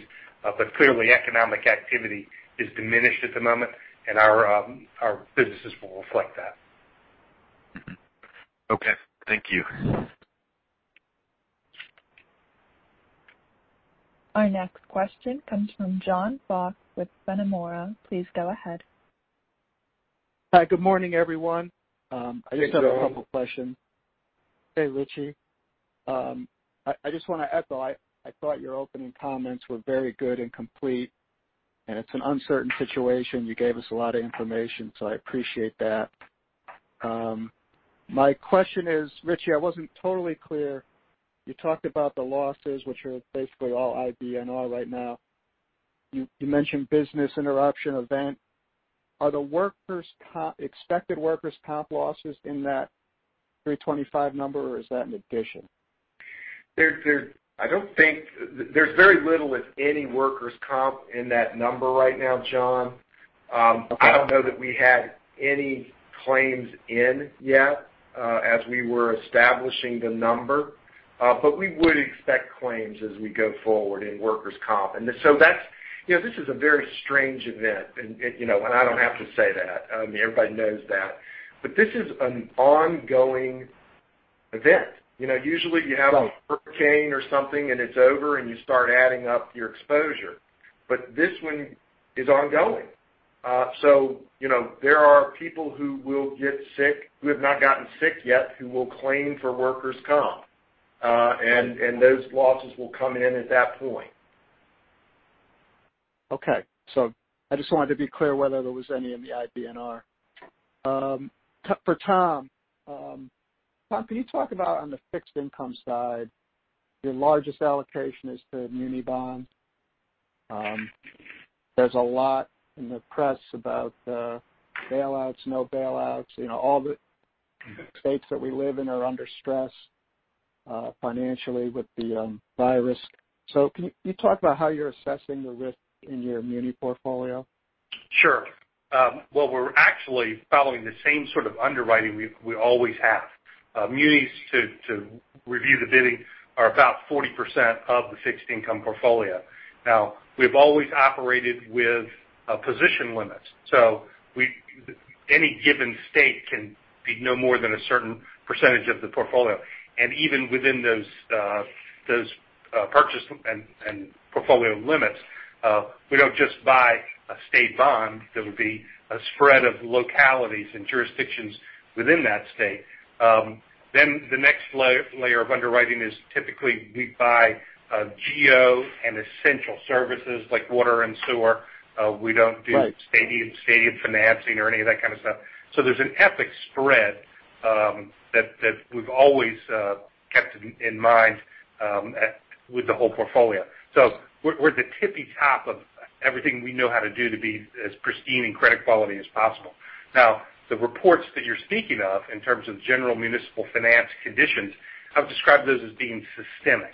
Clearly, economic activity is diminished at the moment, and our businesses will reflect that. Okay. Thank you. Our next question comes from John Fox with Nomura. Please go ahead. Hi, good morning, everyone. Hey, John. I just have a couple questions. Hey, Richie. I just want to echo, I thought your opening comments were very good and complete, and it's an uncertain situation. You gave us a lot of information, I appreciate that. My question is, Richie, I wasn't totally clear. You talked about the losses, which are basically all IBNR right now. You mentioned business interruption event. Are the expected workers' comp losses in that $325, or is that in addition? There's very little, if any, workers' comp in that number right now, John. I don't know that we had any claims in yet as we were establishing the number. We would expect claims as we go forward in workers' comp. This is a very strange event. I don't have to say that. Everybody knows that. This is an ongoing event. Usually you have. A hurricane or something, and it's over, and you start adding up your exposure. This one is ongoing. There are people who will get sick, who have not gotten sick yet, who will claim for workers' comp. Those losses will come in at that point. Okay. I just wanted to be clear whether there was any in the IBNR. For Tom. Tom, can you talk about on the fixed income side, your largest allocation is the muni bond. There's a lot in the press about the bailouts, no bailouts. All the states that we live in are under stress financially with the virus. Can you talk about how you're assessing the risk in your muni portfolio? Sure. Well, we're actually following the same sort of underwriting we always have. Munis, to review the bidding, are about 40% of the fixed income portfolio. We've always operated with position limits. Any given state can be no more than a certain percentage of the portfolio. Even within those purchase and portfolio limits, we don't just buy a state bond that would be a spread of localities and jurisdictions within that state. The next layer of underwriting is typically we buy geo and essential services like water and sewer. Stadium financing or any of that kind of stuff. There's an epic spread that we've always kept in mind with the whole portfolio. We're at the tippy top of everything we know how to do to be as pristine in credit quality as possible. Now, the reports that you're speaking of, in terms of general municipal finance conditions, I've described those as being systemic.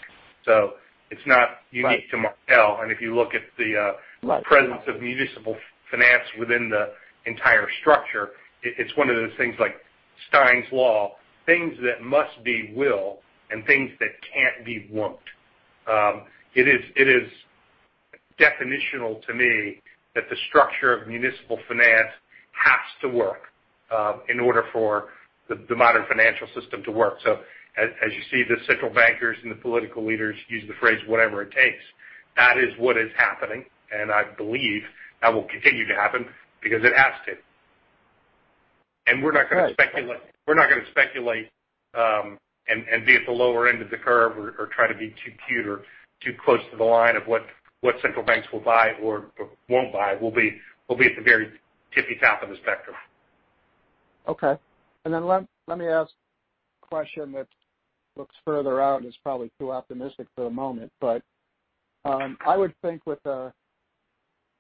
It's not unique to Markel. If you look at the- Presence of municipal finance within the entire structure, it's one of those things like Stein's law, things that must be will and things that can't be won't. It is definitional to me that the structure of municipal finance has to work in order for the modern financial system to work. As you see, the central bankers and the political leaders use the phrase, whatever it takes. That is what is happening, and I believe that will continue to happen because it has to. We're not going to speculate and be at the lower end of the curve or try to be too cute or too close to the line of what central banks will buy or won't buy. We'll be at the very tippy top of the spectrum. Let me ask a question that looks further out and is probably too optimistic for the moment. I would think with a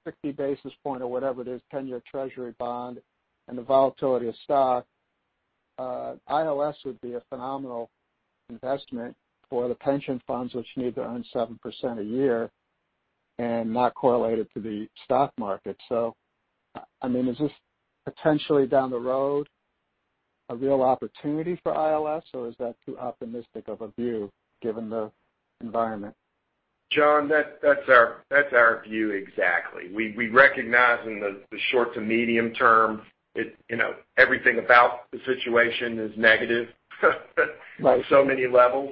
60 basis points or whatever it is, 10-year Treasury bond and the volatility of stock, ILS would be a phenomenal investment for the pension funds, which need to earn 7% a year and not correlate it to the stock market. Is this potentially down the road? A real opportunity for ILS, or is that too optimistic of a view given the environment? John, that's our view exactly. We recognize in the short to medium term, everything about the situation is negative on so many levels.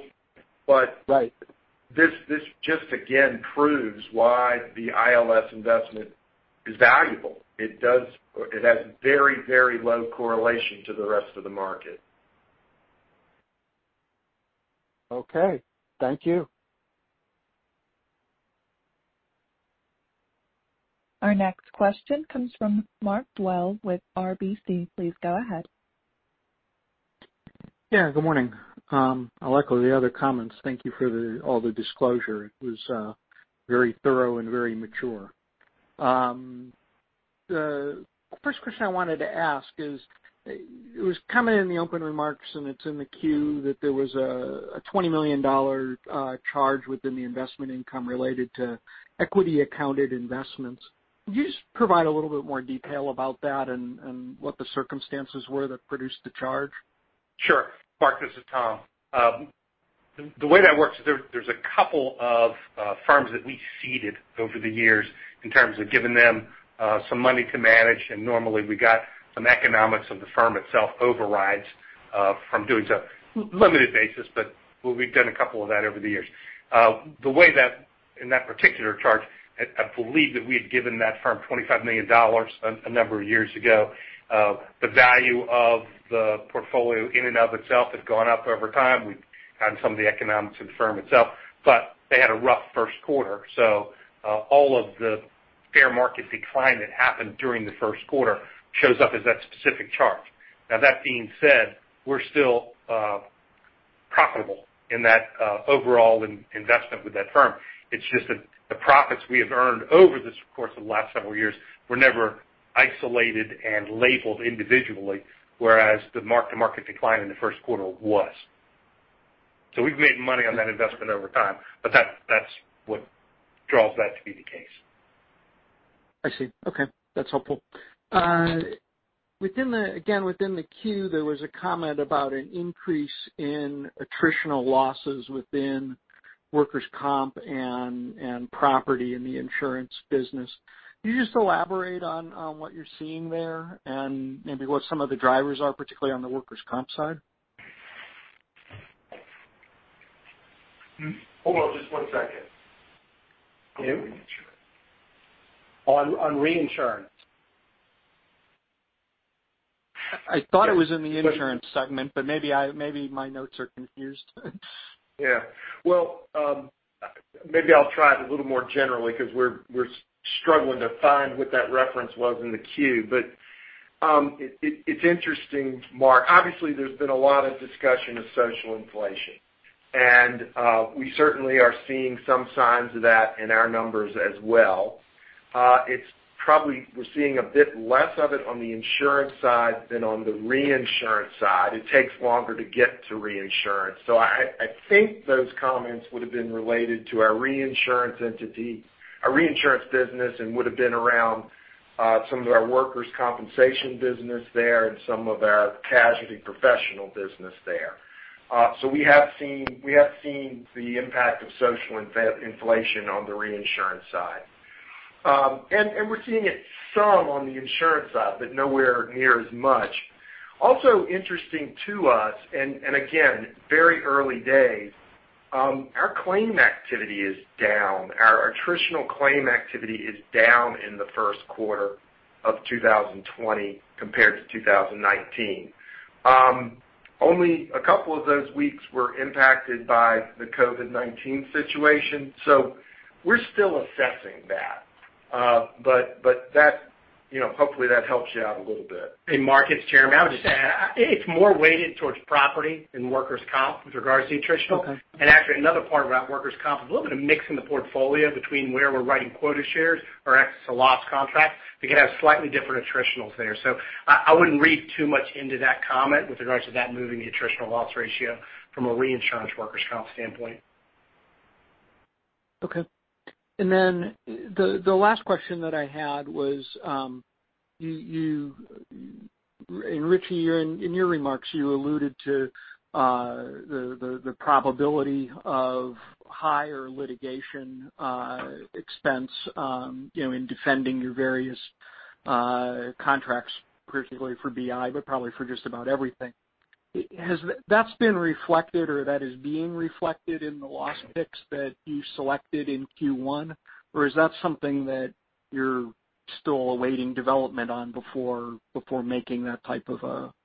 This just again proves why the ILS investment is valuable. It has very low correlation to the rest of the market. Okay. Thank you. Our next question comes from Mark Dwelle with RBC. Please go ahead. Good morning. I'll echo the other comments. Thank you for all the disclosure. It was very thorough and very mature. The first question I wanted to ask is, it was coming in the open remarks, and it's in the queue, that there was a $20 million charge within the investment income related to equity accounted investments. Can you just provide a little bit more detail about that and what the circumstances were that produced the charge? Sure. Mark, this is Tom. The way that works is there's a couple of firms that we seeded over the years in terms of giving them some money to manage. Normally we got some economics of the firm itself overrides from doing so. Limited basis, but we've done a couple of that over the years. The way that, in that particular charge, I believe that we had given that firm $25 million a number of years ago. The value of the portfolio in and of itself has gone up over time. We've had some of the economics of the firm itself, but they had a rough first quarter. All of the fair market decline that happened during the first quarter shows up as that specific charge. That being said, we're still profitable in that overall investment with that firm. It's just that the profits we have earned over the course of the last several years were never isolated and labeled individually, whereas the mark-to-market decline in the first quarter was. We've made money on that investment over time, but that's what draws that to be the case. I see. Okay. That's helpful. Again, within the 10-Q, there was a comment about an increase in attritional losses within workers' comp and property in the insurance business. Can you just elaborate on what you're seeing there and maybe what some of the drivers are, particularly on the workers' comp side? Hold on just one second. On reinsurance. I thought it was in the insurance segment, but maybe my notes are confused. Maybe I'll try it a little more generally because we're struggling to find what that reference was in the queue. It's interesting, Mark. Obviously, there's been a lot of discussion of social inflation, and we certainly are seeing some signs of that in our numbers as well. It's probably we're seeing a bit less of it on the insurance side than on the reinsurance side. It takes longer to get to reinsurance. I think those comments would have been related to our reinsurance business and would have been around some of our workers' compensation business there and some of our casualty professional business there. We have seen the impact of social inflation on the reinsurance side. We're seeing it some on the insurance side, but nowhere near as much. Also interesting to us, and again, very early days, our claim activity is down. Our attritional claim activity is down in the first quarter of 2020 compared to 2019. Only a couple of those weeks were impacted by the COVID-19 situation. We're still assessing that. Hopefully, that helps you out a little bit. Mark, it's Jeremy. I would just add, it's more weighted towards property than workers' comp with regards to the attritional. Okay. Actually, another part about workers' comp, a little bit of mix in the portfolio between where we're writing quota shares or excess to loss contracts that could have slightly different attritionals there. I wouldn't read too much into that comment with regards to that moving the attritional loss ratio from a reinsurance workers' comp standpoint. Okay. The last question that I had was, and Richie, in your remarks, you alluded to the probability of higher litigation expense in defending your various contracts, particularly for BI, but probably for just about everything. That's been reflected or that is being reflected in the loss picks that you selected in Q1? Or is that something that you're still awaiting development on before making that type of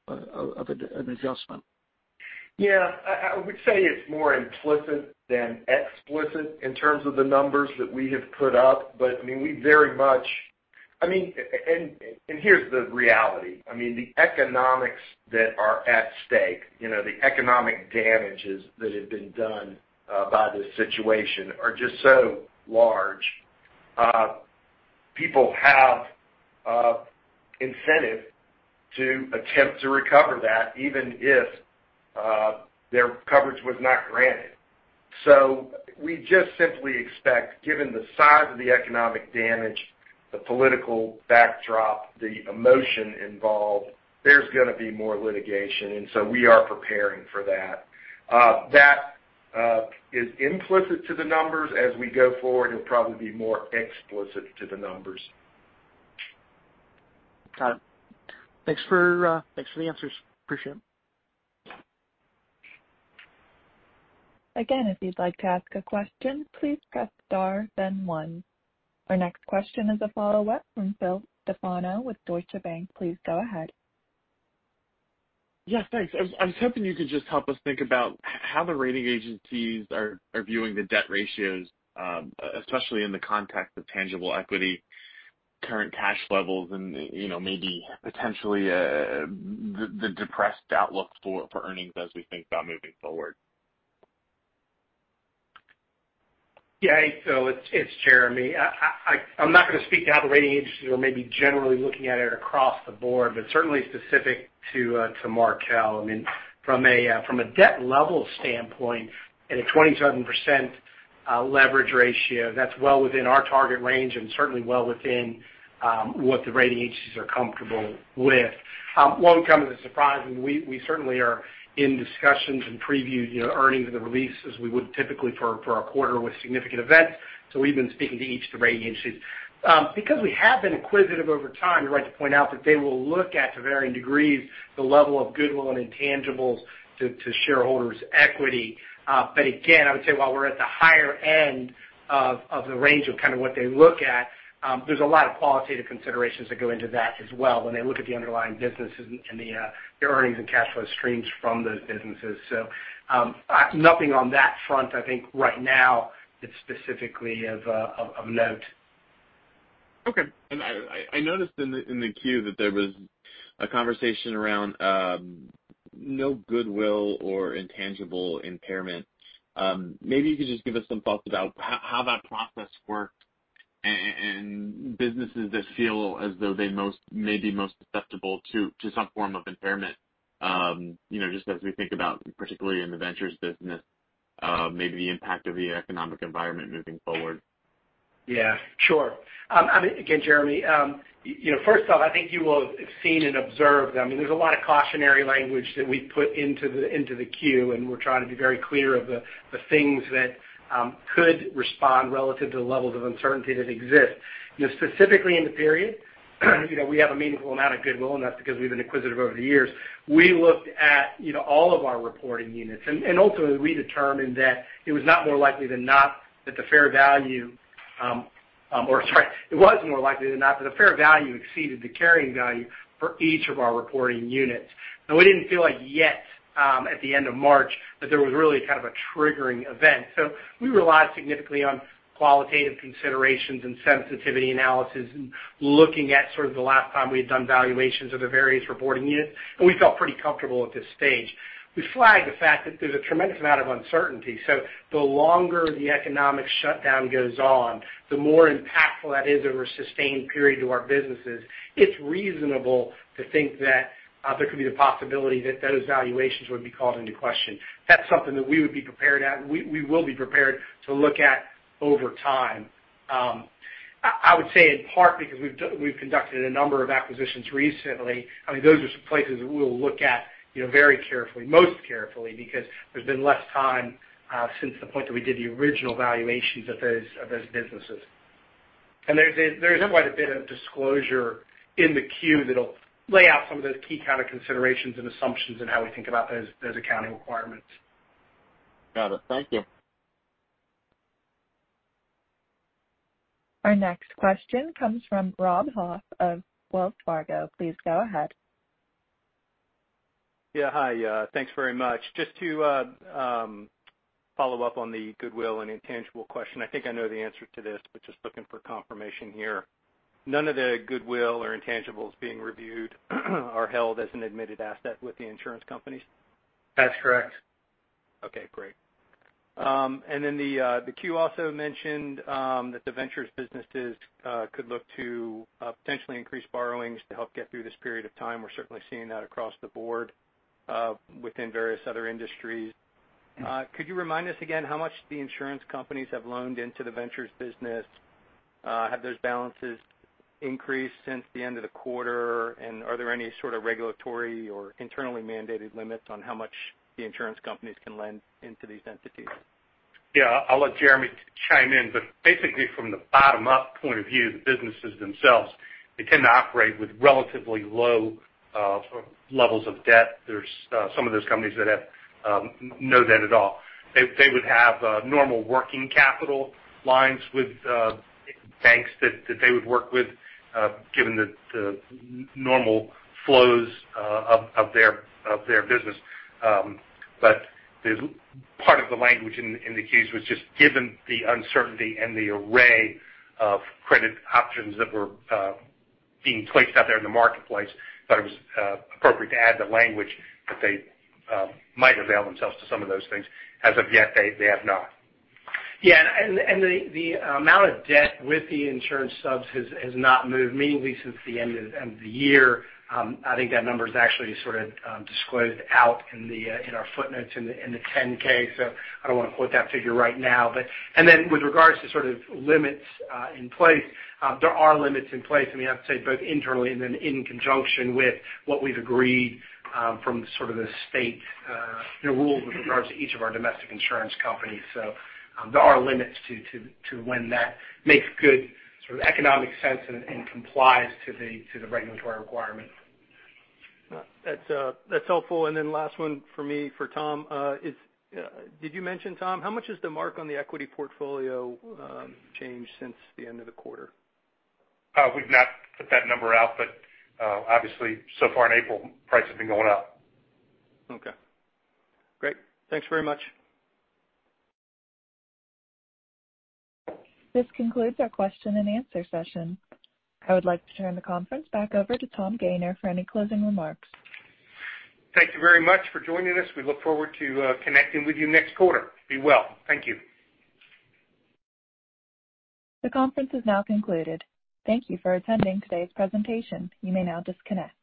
an adjustment? I would say it's more implicit than explicit in terms of the numbers that we have put up. Here's the reality. The economics that are at stake, the economic damages that have been done by this situation are just so large. People have incentive to attempt to recover that, even if their coverage was not granted. We just simply expect, given the size of the economic damage, the political backdrop, the emotion involved, there's going to be more litigation, we are preparing for that. That is implicit to the numbers. As we go forward, it'll probably be more explicit to the numbers. Got it. Thanks for the answers. Appreciate it. Again, if you'd like to ask a question, please press star then one. Our next question is a follow-up from Phil Stefano with Deutsche Bank. Please go ahead. Yeah, thanks. I was hoping you could just help us think about how the rating agencies are viewing the debt ratios, especially in the context of tangible equity, current cash levels, and maybe potentially the depressed outlook for earnings as we think about moving forward. Hey, Phil, it's Jeremy. I'm not going to speak to how the rating agencies are maybe generally looking at it across the board, but certainly specific to Markel. From a debt level standpoint, at a 27% leverage ratio, that's well within our target range and certainly well within what the rating agencies are comfortable with. Won't come as a surprise, we certainly are in discussions and previewed earnings and the release as we would typically for a quarter with significant events. We've been speaking to each of the rating agencies. Because we have been inquisitive over time, you're right to point out, that they will look at, to varying degrees, the level of goodwill and intangibles to shareholders' equity. Again, I would say while we're at the higher end of the range of kind of what they look at, there's a lot of qualitative considerations that go into that as well when they look at the underlying businesses and the earnings and cash flow streams from those businesses. Nothing on that front, I think, right now that's specifically of note. Okay. I noticed in the queue that there was a conversation around no goodwill or intangible impairment. Maybe you could just give us some thoughts about how that process worked and businesses that feel as though they may be most susceptible to some form of impairment, just as we think about, particularly in the Ventures business, maybe the impact of the economic environment moving forward. Yeah, sure. Jeremy. First off, I think you will have seen and observed. I mean, there's a lot of cautionary language that we put into the Form 10-Q. We're trying to be very clear of the things that could respond relative to the levels of uncertainty that exist. Specifically in the period, we have a meaningful amount of goodwill. That's because we've been inquisitive over the years. We looked at all of our reporting units. Ultimately, we determined that it was more likely than not that the fair value exceeded the carrying value for each of our reporting units. We didn't feel like yet, at the end of March, that there was really kind of a triggering event. We relied significantly on qualitative considerations and sensitivity analysis and looking at sort of the last time we had done valuations of the various reporting units, and we felt pretty comfortable at this stage. We flagged the fact that there's a tremendous amount of uncertainty, so the longer the economic shutdown goes on, the more impactful that is over a sustained period to our businesses. It's reasonable to think that there could be the possibility that those valuations would be called into question. That's something that we would be prepared at, and we will be prepared to look at over time. I would say in part because we've conducted a number of acquisitions recently. I mean, those are some places that we'll look at very carefully, most carefully, because there's been less time since the point that we did the original valuations of those businesses. There's quite a bit of disclosure in the Q that'll lay out some of those key kind of considerations and assumptions and how we think about those accounting requirements. Got it. Thank you. Our next question comes from Rob Hoff of Wells Fargo. Please go ahead. Yeah. Hi. Thanks very much. Just to follow up on the goodwill and intangible question. I think I know the answer to this, but just looking for confirmation here. None of the goodwill or intangibles being reviewed are held as an admitted asset with the insurance companies? That's correct. Okay, great. The Q also mentioned that the Ventures businesses could look to potentially increase borrowings to help get through this period of time. We're certainly seeing that across the board within various other industries. Could you remind us again how much the insurance companies have loaned into the Ventures business? Have those balances increased since the end of the quarter, and are there any sort of regulatory or internally mandated limits on how much the insurance companies can lend into these entities? Yeah. I'll let Jeremy chime in, basically from the bottom-up point of view, the businesses themselves, they tend to operate with relatively low levels of debt. There's some of those companies that have no debt at all. They would have normal working capital lines with banks that they would work with given the normal flows of their business. Part of the language in the queues was just given the uncertainty and the array of credit options that were being placed out there in the marketplace, thought it was appropriate to add the language that they might avail themselves to some of those things. As of yet, they have not. The amount of debt with the insurance subs has not moved meaningfully since the end of the year. I think that number is actually sort of disclosed out in our footnotes in the 10-K, so I don't want to quote that figure right now. With regards to sort of limits in place, there are limits in place, I mean, I have to say, both internally and then in conjunction with what we've agreed from sort of the state rules with regards to each of our domestic insurance companies. There are limits to when that makes good sort of economic sense and complies to the regulatory requirements. That's helpful. Last one for me for Tom is, did you mention, Tom, how much has the mark on the equity portfolio changed since the end of the quarter? We've not put that number out, but obviously so far in April, price has been going up. Okay. Great. Thanks very much. This concludes our question and answer session. I would like to turn the conference back over to Tom Gayner for any closing remarks. Thank you very much for joining us. We look forward to connecting with you next quarter. Be well. Thank you. The conference has now concluded. Thank you for attending today's presentation. You may now disconnect.